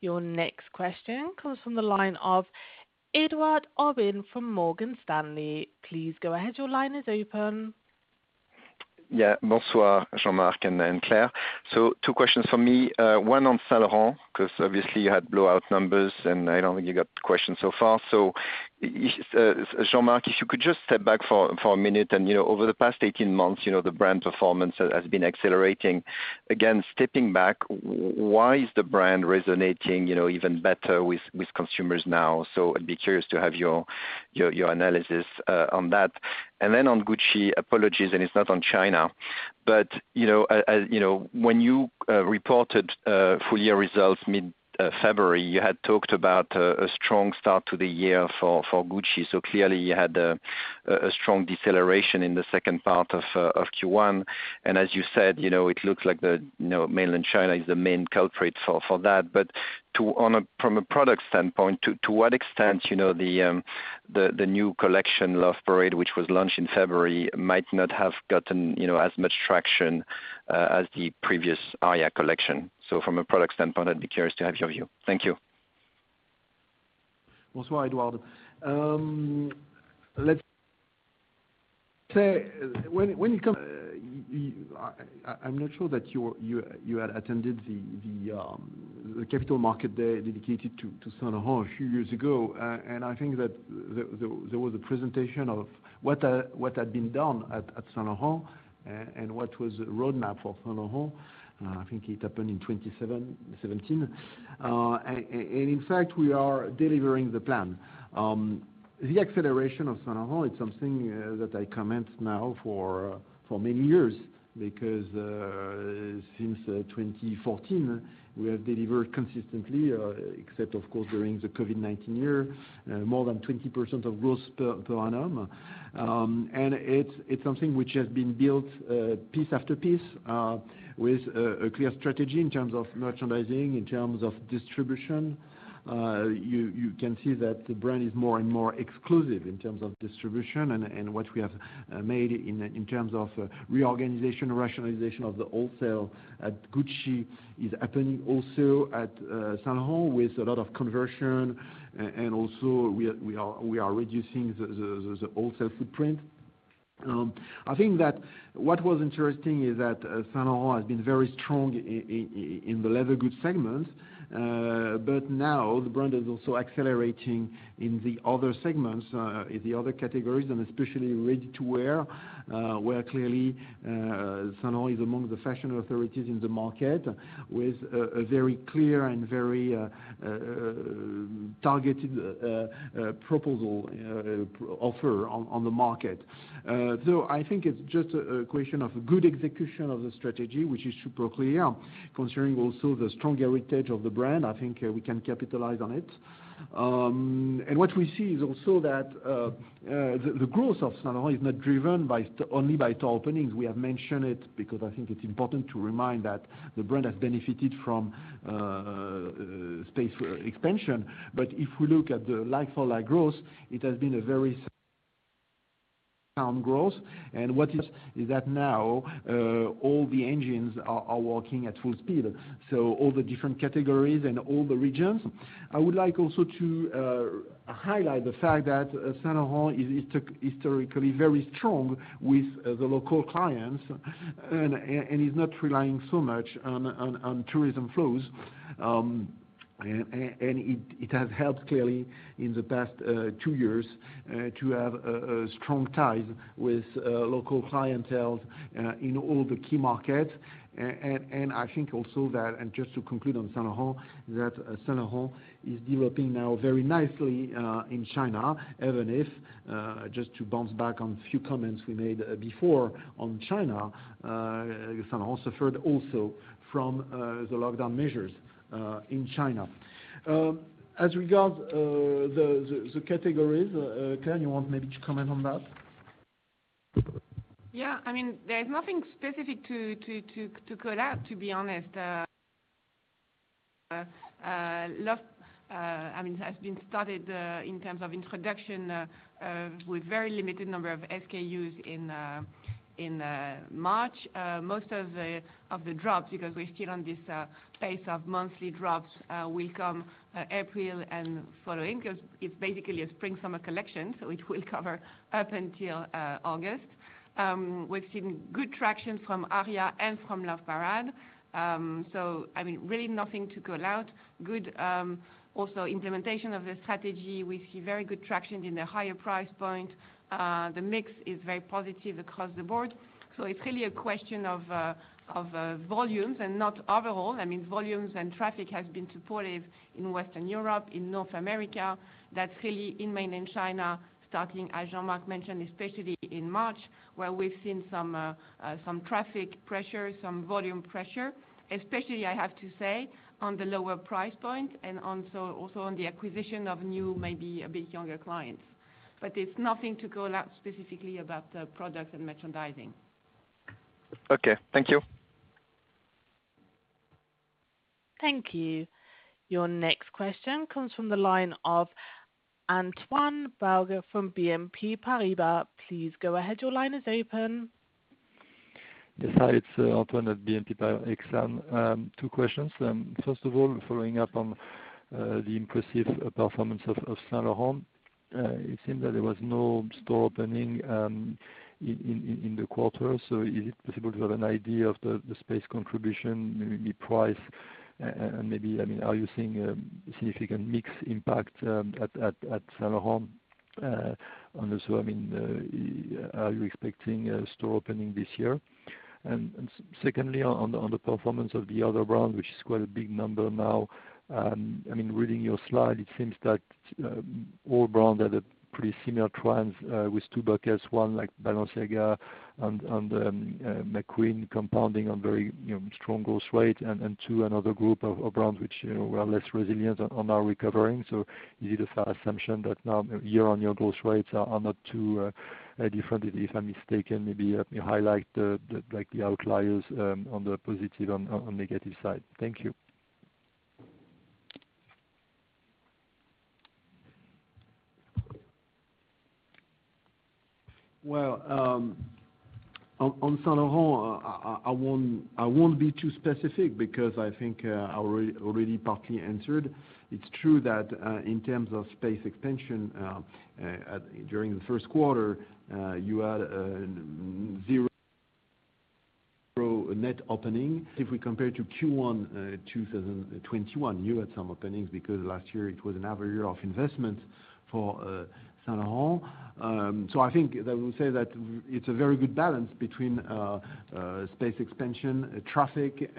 Your next question comes from the line of Edouard Aubin from Morgan Stanley. Please go ahead. Your line is open. Yeah. Bonsoir, Jean-Marc and Claire. Two questions for me, one on Saint Laurent, 'cause obviously you had blowout numbers, and I don't think you got the question so far. Jean-Marc, if you could just step back for a minute. You know, over the past 18 months, you know, the brand performance has been accelerating. Again, stepping back, why is the brand resonating, you know, even better with consumers now? I'd be curious to have your analysis on that. On Gucci, apologies, and it's not on China, but you know, when you reported full year results mid February, you had talked about a strong start to the year for Gucci. Clearly you had a strong deceleration in the second part of Q1. As you said, you know, it looks like the, you know, Mainland China is the main culprit for that. From a product standpoint, to what extent, you know, the new collection, Love Parade, which was launched in February, might not have gotten, you know, as much traction as the previous Aria collection. From a product standpoint, I'd be curious to have your view. Thank you. Bonsoir, Edouard. Let's say when you come, I'm not sure that you had attended the capital market day dedicated to Saint Laurent a few years ago. I think that there was a presentation of what had been done at Saint Laurent and what was the roadmap for Saint Laurent. I think it happened in 2017. In fact, we are delivering the plan. The acceleration of Saint Laurent, it's something that I comment on for many years, because since 2014 we have delivered consistently, except of course, during the COVID-19 year, more than 20% of growth per annum. It's something which has been built piece after piece with a clear strategy in terms of merchandising, in terms of distribution. You can see that the brand is more and more exclusive in terms of distribution and what we have made in terms of reorganization, rationalization of the wholesale at Gucci is happening also at Saint Laurent with a lot of conversion. Also we are reducing the wholesale footprint. I think that what was interesting is that Saint Laurent has been very strong in the leather goods segment. Now the brand is also accelerating in the other segments, in the other categories, and especially ready-to-wear, where clearly Saint Laurent is among the fashion authorities in the market with a very clear and very targeted offer on the market. I think it's just a question of good execution of the strategy, which is super clear. Considering also the strong heritage of the brand, I think we can capitalize on it. What we see is also that the growth of Saint Laurent is not driven only by store openings. We have mentioned it because I think it's important to remind that the brand has benefited from space expansion. If we look at the like-for-like growth, it has been a very sound growth. What is that now all the engines are working at full speed, so all the different categories and all the regions. I would like also to highlight the fact that Saint Laurent is historically very strong with the local clients and is not relying so much on tourism flows. It has helped clearly in the past two years to have a strong tie with local clienteles in all the key markets. I think also that, and just to conclude on Saint Laurent, that Saint Laurent is developing now very nicely in China, even if just to bounce back on a few comments we made before on China, Saint Laurent suffered also from the lockdown measures in China. As regards the categories, Claire, you want maybe to comment on that? Yeah. I mean, there's nothing specific to call out, to be honest. Love, I mean, has been started in terms of introduction with very limited number of SKUs in March. Most of the drops, because we're still on this pace of monthly drops, will come April and following. 'Cause it's basically a spring/summer collection, so it will cover up until August. We've seen good traction from Aria and from Love Parade. I mean, really nothing to call out. Good also implementation of the strategy. We see very good traction in the higher price point. The mix is very positive across the board. It's really a question of volumes and not overall. I mean, volumes and traffic has been supportive in Western Europe, in North America. That's really in Mainland China, starting, as Jean-Marc mentioned, especially in March, where we've seen some some traffic pressure, some volume pressure, especially, I have to say, on the lower price point and also on the acquisition of new, maybe a bit younger clients. It's nothing to call out specifically about the products and merchandising. Okay. Thank you. Thank you. Your next question comes from the line of Antoine Belge from BNP Paribas. Please go ahead. Your line is open. Yes. Hi, it's Antoine at BNP Paribas Exane. Two questions. First of all, following up on the impressive performance of Saint Laurent, it seemed that there was no store opening in the quarter. Is it possible to have an idea of the space contribution, maybe price, and maybe, I mean, are you seeing a significant mix impact at Saint Laurent? Also, I mean, are you expecting a store opening this year? Secondly, on the performance of the other brands, which is quite a big number now, I mean, reading your slide, it seems that all brands had a pretty similar trends with two buckets, one like Balenciaga and McQueen compounding on very, you know, strong growth rate, and two, another group of brands which, you know, were less resilient and are now recovering. Is it a fair assumption that now year-on-year growth rates are not too different? If I'm mistaken, maybe highlight, like, the outliers on the positive and on the negative side. Thank you. Well, on Saint Laurent, I won't be too specific because I think I already partly answered. It's true that in terms of space expansion during the first quarter you had zero net opening. If we compare to Q1 2021, you had some openings because last year it was another year of investment for Saint Laurent. I think that we say that it's a very good balance between space expansion, traffic,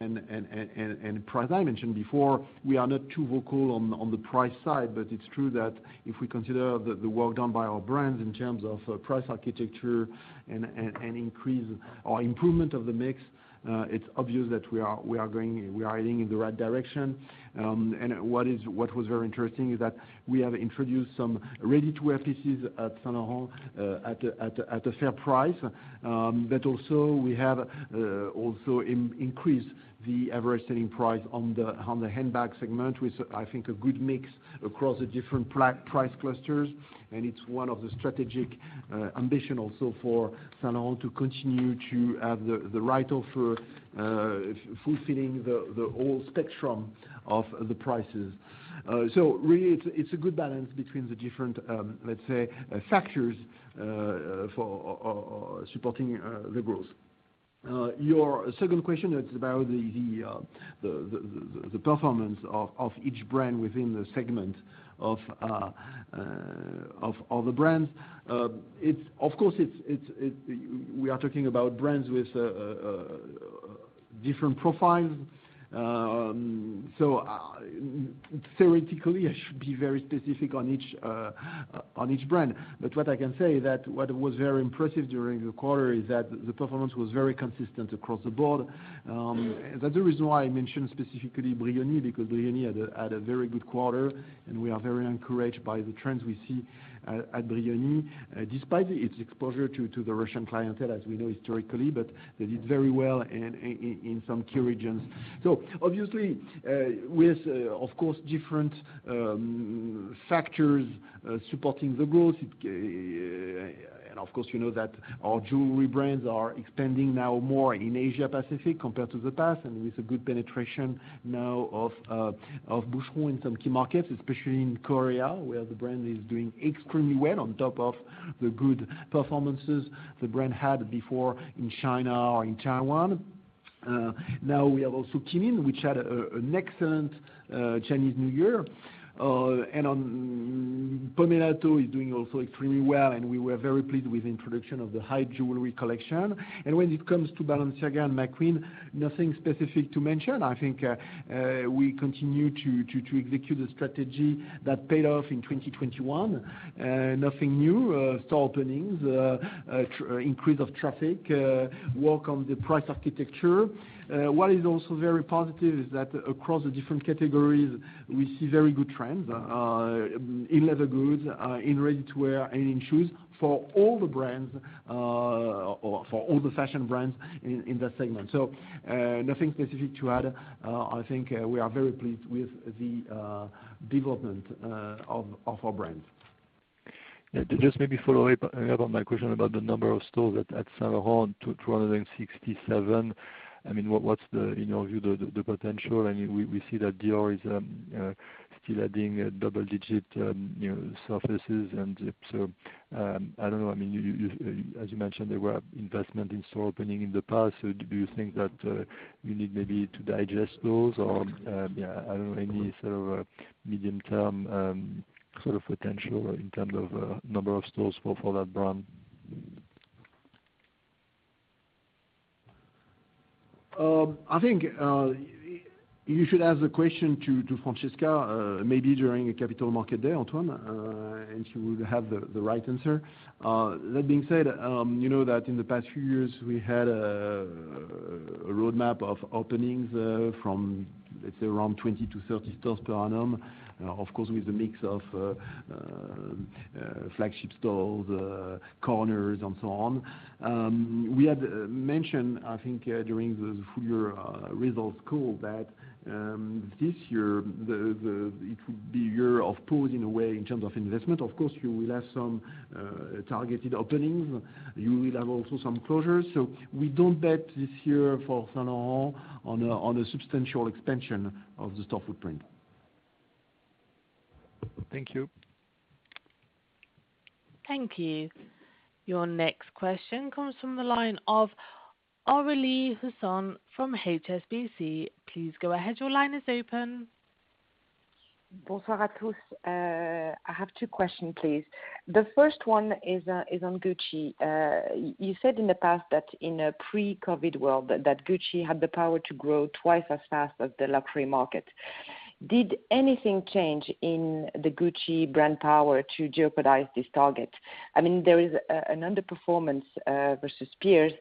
and price. I mentioned before, we are not too vocal on the price side, but it's true that if we consider the work done by our brands in terms of price architecture and increase or improvement of the mix, it's obvious that we are heading in the right direction. What was very interesting is that we have introduced some ready-to-wear pieces at Saint Laurent at a fair price. We have increased the average selling price on the handbag segment with, I think, a good mix across the different price clusters. It's one of the strategic ambition also for Saint Laurent to continue to have the right offer fulfilling the whole spectrum of the prices. Really it's a good balance between the different, let's say, factors for supporting the growth. Your second question is about the performance of each brand within the segment of the brands. It's of course we are talking about brands with different profiles. Theoretically, I should be very specific on each brand. What I can say is that what was very impressive during the quarter is that the performance was very consistent across the board. That's the reason why I mentioned specifically Brioni, because Brioni had a very good quarter, and we are very encouraged by the trends we see at Brioni, despite its exposure to the Russian clientele, as we know historically, but they did very well in some key regions. Obviously, with, of course, different factors supporting the growth. Of course, you know that our jewelry brands are expanding now more in Asia-Pacific compared to the past, and with a good penetration now of Boucheron in some key markets, especially in Korea, where the brand is doing extremely well on top of the good performances the brand had before in China or in Taiwan. Now we have also Qeelin, which had an excellent Chinese New Year. Pomellato is doing also extremely well, and we were very pleased with the introduction of the high jewelry collection. When it comes to Balenciaga and McQueen, nothing specific to mention. I think we continue to execute the strategy that paid off in 2021. Nothing new, store openings, increase of traffic, work on the price architecture. What is also very positive is that across the different categories, we see very good trends in leather goods, in ready-to-wear, and in shoes for all the brands, or for all the fashion brands in that segment. Nothing specific to add. I think we are very pleased with the development of our brands. Yeah, just maybe follow up on my question about the number of stores at Saint Laurent, 267. I mean, what's the potential in your view? I mean, we see that Dior is still adding double digits, you know, surfaces. I don't know. I mean, you as you mentioned, there were investments in store openings in the past. Do you think that you need maybe to digest those or yeah, I don't know, any sort of medium-term sort of potential in terms of number of stores for that brand? I think you should ask the question to Francesca maybe during a Capital Markets Day, Antoine, and she would have the right answer. That being said, you know that in the past few years, we had a roadmap of openings from, let's say, around 20 to 30 stores per annum. Of course, with a mix of flagship stores, corners and so on. We had mentioned, I think, during the full-year results call that this year, it would be a year of pause in a way in terms of investment. Of course, you will have some targeted openings. You will have also some closures. We don't bet this year for Saint Laurent on a substantial expansion of the store footprint. Thank you. Thank you. Your next question comes from the line of Aurélie Husson-Dumoutier from HSBC. Please go ahead. Your line is open. Bonsoir à tous. I have two questions, please. The first one is on Gucci. You said in the past that in a pre-COVID world that Gucci had the power to grow twice as fast as the luxury market. Did anything change in the Gucci brand power to jeopardize this target? I mean, there is an underperformance versus peers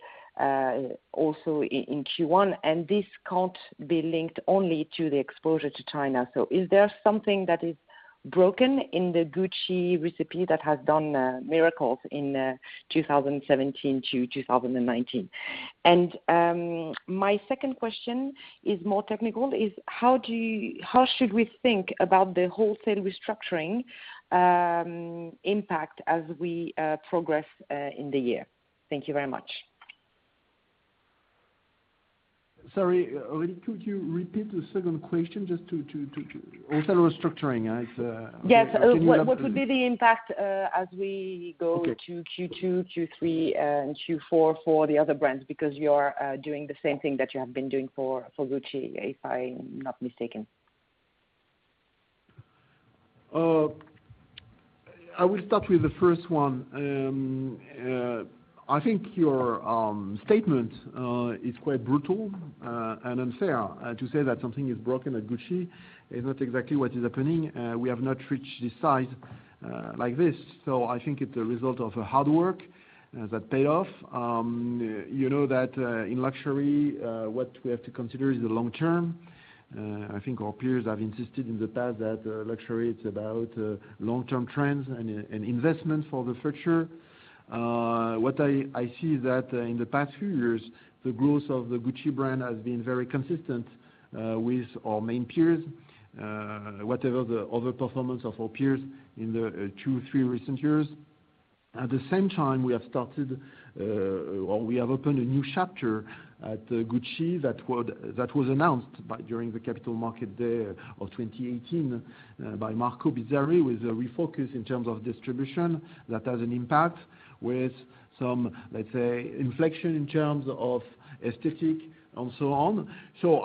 also in Q1, and this can't be linked only to the exposure to China. Is there something that is broken in the Gucci recipe that has done miracles in 2017 to 2019? My second question is more technical, how should we think about the wholesale restructuring impact as we progress in the year? Thank you very much. Sorry, Aurélie, could you repeat the second question just to wholesale restructuring. It's Yes. Can you repeat? What would be the impact as we go- Okay. to Q2, Q3, and Q4 for the other brands? Because you are doing the same thing that you have been doing for Gucci, if I'm not mistaken. I will start with the first one. I think your statement is quite brutal and unfair. To say that something is broken at Gucci is not exactly what is happening. We have not reached this size like this. I think it's a result of hard work that paid off. You know that in luxury what we have to consider is the long term. I think our peers have insisted in the past that luxury is about long-term trends and investment for the future. What I see is that in the past few years, the growth of the Gucci brand has been very consistent with our main peers, whatever the other performance of our peers in the two, three recent years. At the same time, we have started or we have opened a new chapter at Gucci that was announced during the Capital Markets Day of 2018 by Marco Bizzarri, with a refocus in terms of distribution that has an impact with some, let's say, inflection in terms of aesthetic and so on.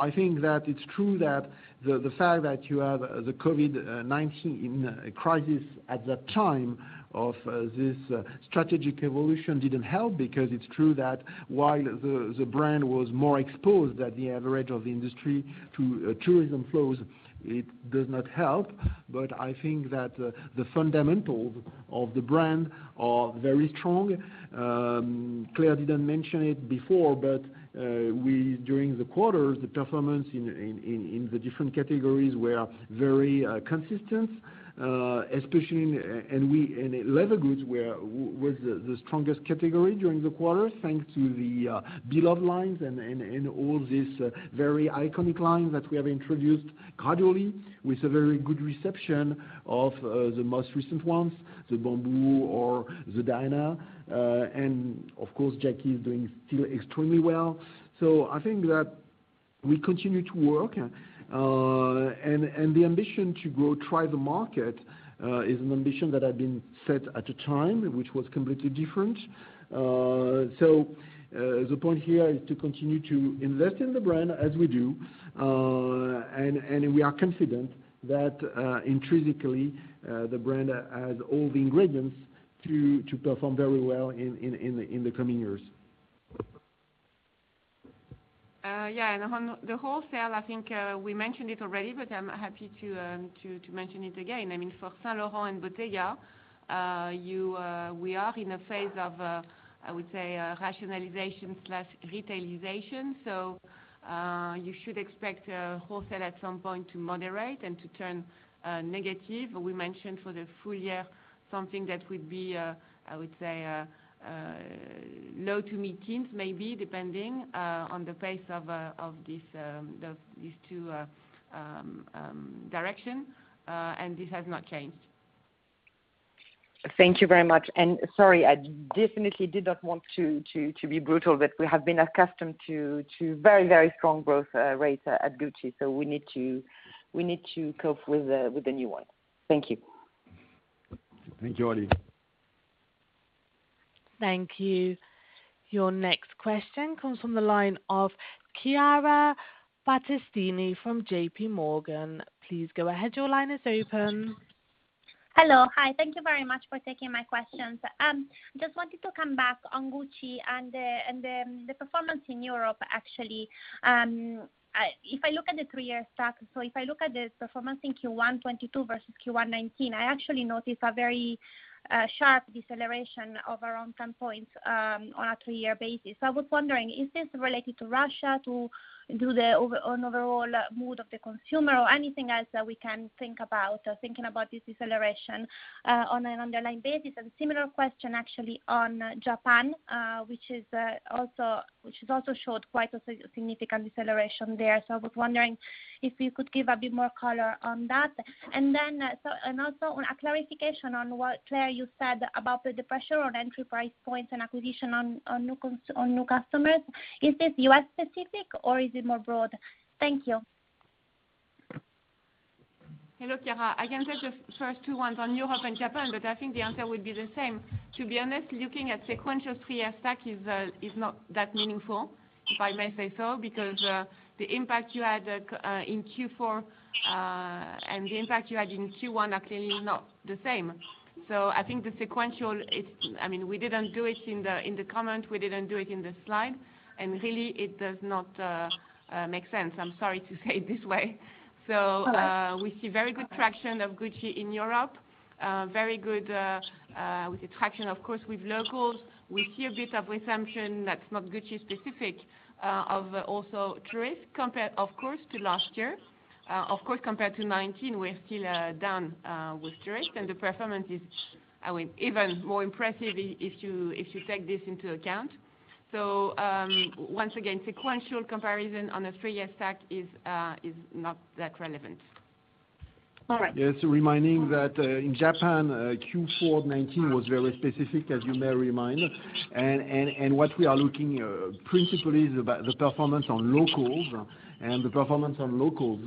I think that it's true that the fact that you have the COVID-19 in a crisis at that time of this strategic evolution didn't help, because it's true that while the brand was more exposed than the average of the industry to tourism flows, it does not help. But I think that the fundamentals of the brand are very strong. Claire didn't mention it before, but during the quarter, the performance in the different categories was very consistent, especially in leather goods, which was the strongest category during the quarter, thanks to the beloved lines and all these very iconic lines that we have introduced gradually with a very good reception of the most recent ones, the Bamboo or the Diana. Of course, Jackie is doing still extremely well. I think that we continue to work. The ambition to grow the market is an ambition that had been set at a time which was completely different. The point here is to continue to invest in the brand as we do. We are confident that intrinsically the brand has all the ingredients to perform very well in the coming years. Yeah, on the wholesale, I think we mentioned it already, but I'm happy to mention it again. I mean, for Saint Laurent and Bottega, we are in a phase of, I would say, a rationalization/retailization. You should expect wholesale at some point to moderate and to turn negative. We mentioned for the full year something that would be, I would say, low- to mid-teens% maybe, depending on the pace of this, these two direction. This has not changed. Thank you very much. Sorry, I definitely did not want to be brutal, but we have been accustomed to very, very strong growth rate at Gucci. We need to cope with the new one. Thank you. Thank you, Aurélie. Thank you. Your next question comes from the line of Chiara Battistini from JPMorgan. Please go ahead. Your line is open. Hello. Hi. Thank you very much for taking my questions. Just wanted to come back on Gucci and the performance in Europe actually. If I look at the three-year stack, so if I look at the performance in Q1 2022 versus Q1 2019, I actually notice a very sharp deceleration of around 10 points on a three-year basis. I was wondering, is this related to Russia, to the overall mood of the consumer or anything else that we can think about, or thinking about this deceleration on an underlying basis? Similar question actually on Japan, which has also showed quite a significant deceleration there. I was wondering if you could give a bit more color on that. Oh and a clarification on what, Claire, you said about the pressure on entry price points and acquisition on new customers. Is this U.S.-specific or is it more broad? Thank you. Hello, Chiara. I can take the first two ones on Europe and Japan, but I think the answer would be the same, to be honest. Looking at sequential three-year stack is not that meaningful, if I may say so, because the impact you had in Q4 and the impact you had in Q1 are clearly not the same. I think the sequential is, I mean, we didn't do it in the comment, we didn't do it in the slide, and really it does not make sense. I'm sorry to say it this way. All right. We see very good traction of Gucci in Europe, very good traction of course with locals. We see a bit of resumption that's not Gucci specific, of tourists compared, of course, to last year. Of course, compared to 2019 we're still down with tourists and the performance is, I mean, even more impressive if you take this into account. Once again, sequential comparison on a three-year stack is not that relevant. All right. Just reminding that in Japan, Q4 2019 was very specific, as you may remember. What we are looking principally is about the performance on locals and the performance on locals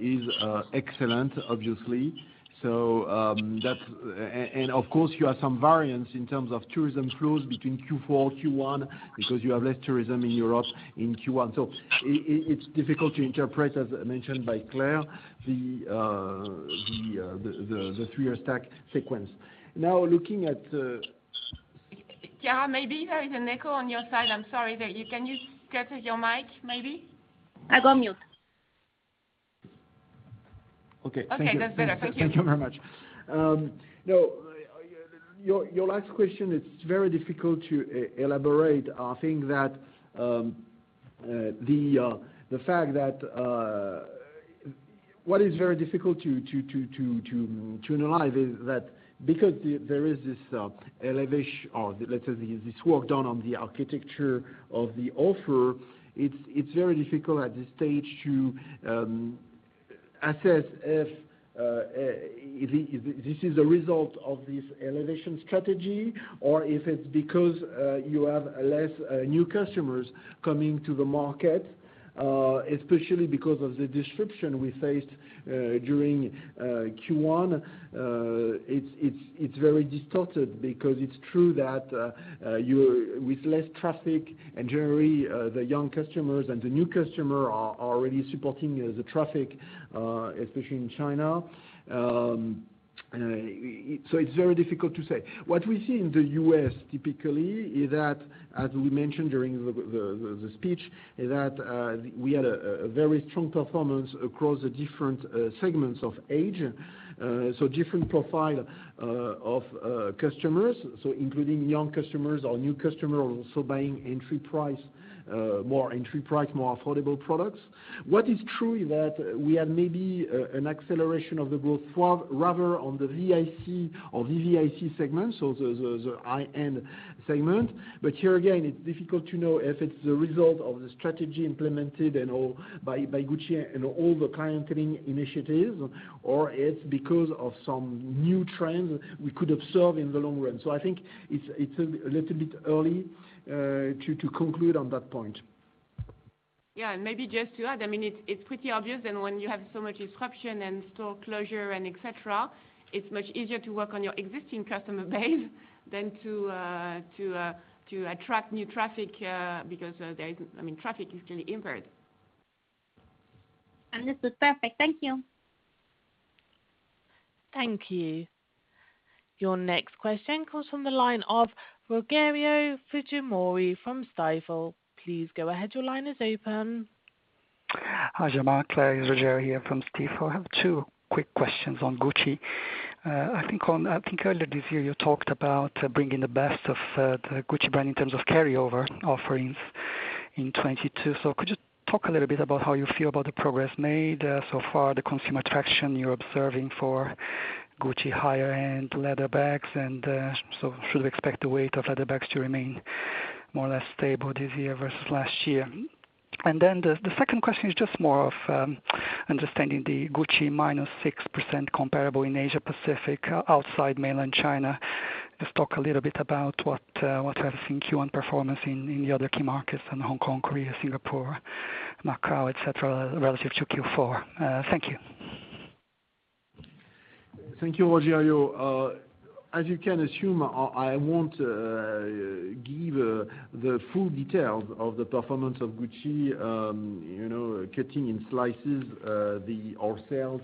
is excellent, obviously. Of course, you have some variance in terms of tourism flows between Q4, Q1, because you have less tourism in Europe in Q1. It's difficult to interpret, as mentioned by Claire, the three-year stack sequence. Now looking at Chiara, maybe there is an echo on your side. I'm sorry. Can you cut your mic, maybe? I go mute. Okay. Thank you. Okay. That's better. Thank you. Thank you very much. Now, your last question, it's very difficult to elaborate. I think that the fact that what is very difficult to analyze is that because there is this elevation, or let's say this work done on the architecture of the offer, it's very difficult at this stage to assess if this is a result of this elevation strategy or if it's because you have less new customers coming to the market, especially because of the disruption we faced during Q1. It's very distorted because it's true that you're with less traffic and generally the young customers and the new customer are really supporting the traffic, especially in China. It's very difficult to say. What we see in the U.S. typically is that, as we mentioned during the speech, is that we had a very strong performance across the different segments of age. Different profile of customers, including young customers or new customer also buying entry price, more entry price, more affordable products. What is true is that we have maybe an acceleration of the growth rather on the VIC or VVIC segment, so the high-end segment. Here again, it's difficult to know if it's the result of the strategy implemented and/or by Gucci and all the clienteling initiatives, or it's because of some new trends we could observe in the long run. I think it's a little bit early to conclude on that point. Yeah. Maybe just to add, I mean, it's pretty obvious then when you have so much disruption and store closure and et cetera, it's much easier to work on your existing customer base than to attract new traffic, because, I mean, traffic is clearly impaired. Understood. Perfect. Thank you. Thank you. Your next question comes from the line of Rogério Fujimori from Stifel. Please go ahead. Your line is open. Hi, Jean-Marc. It's Rogério here from Stifel. I have two quick questions on Gucci. I think earlier this year you talked about bringing the best of the Gucci brand in terms of carryover offerings in 2022. Could you talk a little bit about how you feel about the progress made so far, the consumer traction you're observing for Gucci higher-end leather bags, and should we expect the weight of leather bags to remain more or less stable this year versus last year? Then the second question is just more of understanding the Gucci -6% comparable in Asia Pacific outside Mainland China. Just talk a little bit about what you have seen in Q1 performance in the other key markets in Hong Kong, Korea, Singapore, Macau, et cetera, relative to Q4. Thank you. Thank you, Rogério. As you can assume, I won't give the full details of the performance of Gucci, you know, cutting in slices our sales,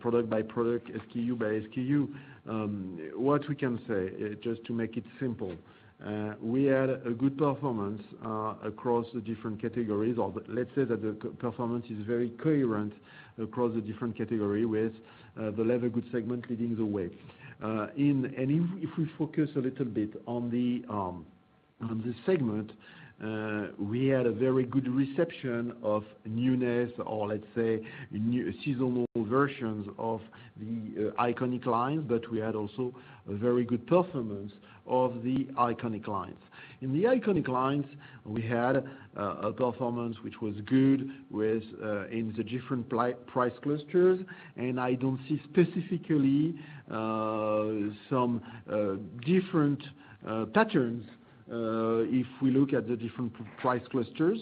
product by product, SKU by SKU. What we can say, just to make it simple, we had a good performance across the different categories. Let's say that the performance is very coherent across the different category with the leather goods segment leading the way. If we focus a little bit on the segment, we had a very good reception of newness or let's say new seasonal versions of the iconic lines, but we had also a very good performance of the iconic lines. In the iconic lines, we had a performance which was good with in the different price clusters, and I don't see specifically some different patterns if we look at the different price clusters.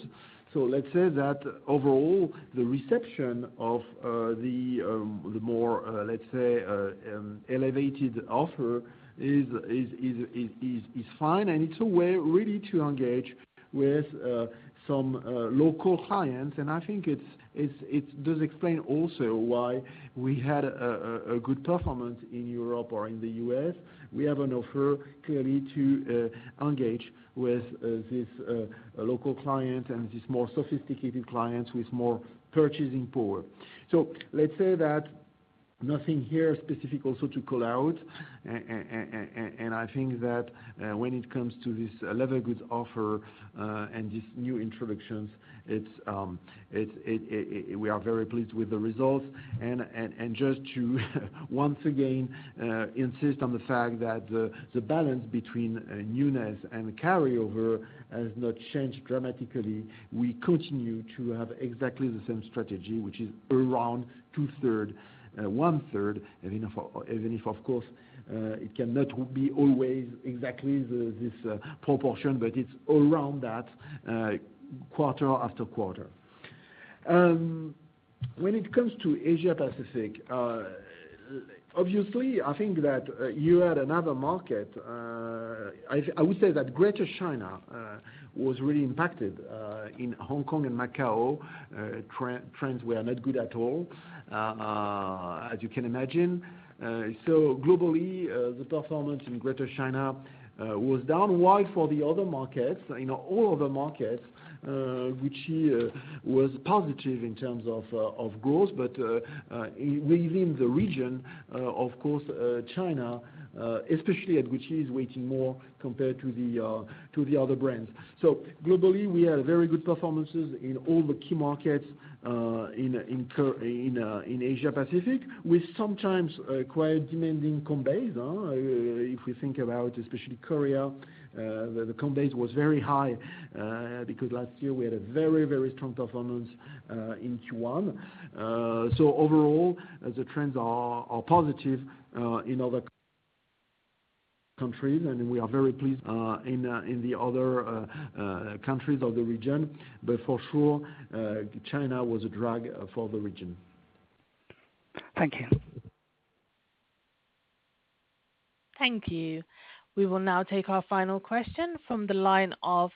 Let's say that overall, the reception of the more let's say elevated offer is fine. It's a way really to engage with some local clients. I think it does explain also why we had a good performance in Europe or in the US. We have an offer clearly to engage with these local clients and these more sophisticated clients with more purchasing power. Let's say that nothing here specific also to call out. I think that when it comes to this leather goods offer and these new introductions, we are very pleased with the results. Just to once again insist on the fact that the balance between newness and carryover has not changed dramatically. We continue to have exactly the same strategy, which is around two-thirds one-third, even if of course it cannot be always exactly this proportion, but it's around that quarter after quarter. When it comes to Asia Pacific, obviously, I think that you had another market. I would say that Greater China was really impacted in Hong Kong and Macau. Trends were not good at all, as you can imagine. Globally, the performance in Greater China was downside for the other markets, you know, all other markets, which was positive in terms of of growth. Within the region, of course, China, especially at Gucci is weighing more compared to the other brands. Globally, we had very good performances in all the key markets, in Asia Pacific, with sometimes quite demanding comps, if we think about especially Korea, the comp was very high, because last year we had a very strong performance in Q1. Overall, the trends are positive in other countries, and we are very pleased in the other countries of the region. For sure, China was a drag for the region. Thank you. Thank you. We will now take our final question from the line of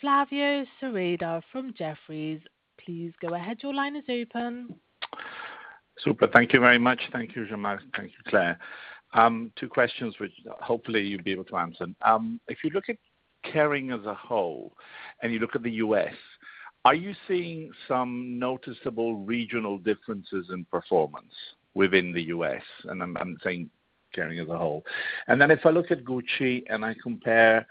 Flavio Cereda from Jefferies. Please go ahead. Your line is open. Super. Thank you very much. Thank you, Jean-Marc. Thank you, Claire. Two questions which hopefully you'll be able to answer. If you look at Kering as a whole, and you look at the U.S., are you seeing some noticeable regional differences in performance within the U.S.? I'm saying Kering as a whole. If I look at Gucci and I compare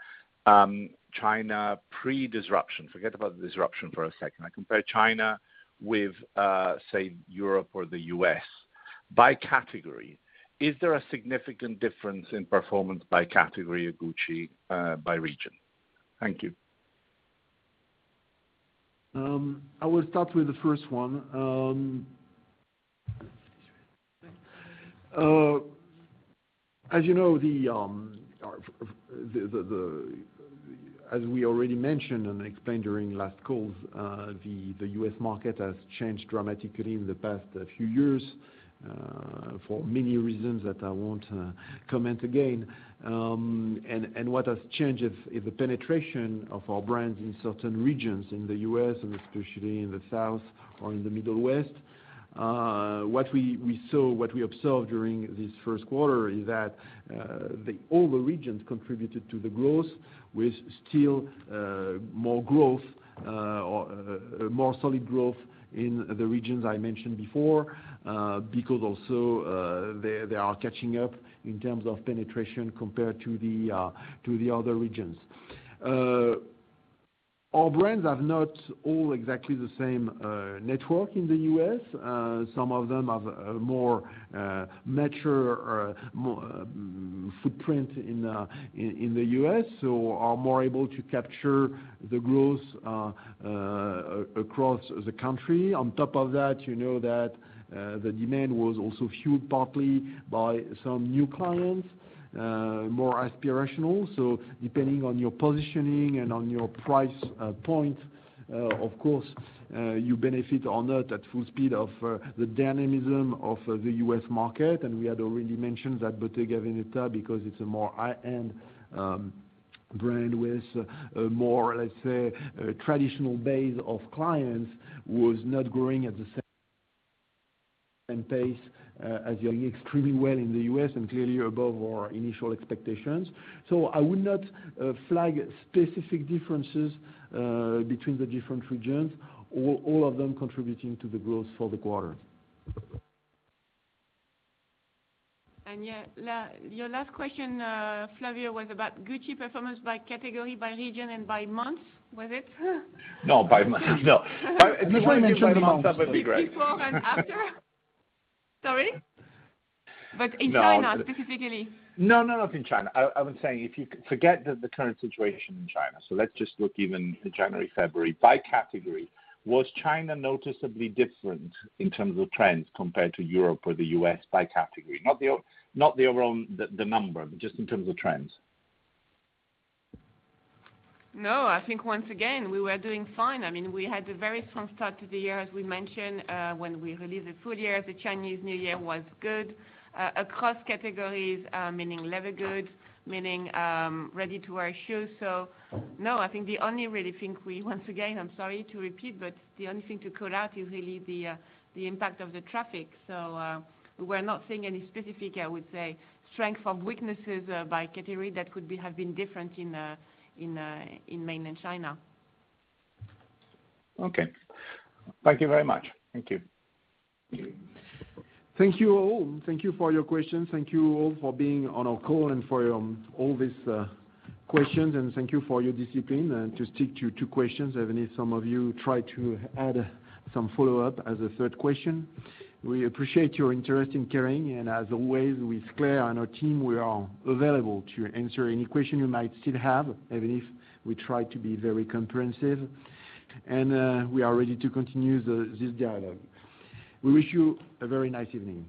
China pre-disruption, forget about the disruption for a second. I compare China with, say, Europe or the U.S. by category. Is there a significant difference in performance by category of Gucci by region? Thank you. I will start with the first one. As you know, as we already mentioned and explained during last calls, the U.S. market has changed dramatically in the past few years for many reasons that I won't comment again. What has changed is the penetration of our brands in certain regions in the U.S. and especially in the South or in the Midwest. What we observed during this first quarter is that all the regions contributed to the growth with still more solid growth in the regions I mentioned before because also they are catching up in terms of penetration compared to the other regions. Our brands have not all exactly the same network in the U.S. Some of them have a more mature footprint in the U.S., so are more able to capture the growth across the country. On top of that, you know that the demand was also fueled partly by some new clients, more aspirational. Depending on your positioning and on your price point, of course, you benefit on that at full speed of the dynamism of the U.S. market. We had already mentioned that Bottega Veneta, because it's a more high-end brand with a more, let's say, traditional base of clients, was not growing at the same pace as they extremely well in the U.S. and clearly above our initial expectations. I would not flag specific differences between the different regions, all of them contributing to the growth for the quarter. Yeah. Your last question, Flavio, was about Gucci performance by category, by region, and by month, was it? No, by month. No. Nobody mentioned the months. By quarter would be great. Before and after? Sorry. In China. No. -specifically. No, not in China. I was saying if you forget the current situation in China, so let's just look even in January, February, by category, was China noticeably different in terms of trends compared to Europe or the U.S. by category? Not the overall, the number, but just in terms of trends. No. I think once again, we were doing fine. I mean, we had a very strong start to the year, as we mentioned, when we released the full year. The Chinese New Year was good across categories, meaning leather goods, meaning ready-to-wear shoes. No, I think the only real thing we, once again, I'm sorry to repeat, but the only thing to call out is really the impact of the traffic. We're not seeing any specific, I would say, strengths or weaknesses by category that could have been different in mainland China. Okay. Thank you very much. Thank you. Thank you all. Thank you for your questions. Thank you all for being on our call and for all these questions. Thank you for your discipline and to stick to two questions, even if some of you tried to add some follow-up as a third question. We appreciate your interest in Kering, and as always, with Claire and our team, we are available to answer any question you might still have, even if we try to be very comprehensive. We are ready to continue this dialogue. We wish you a very nice evening.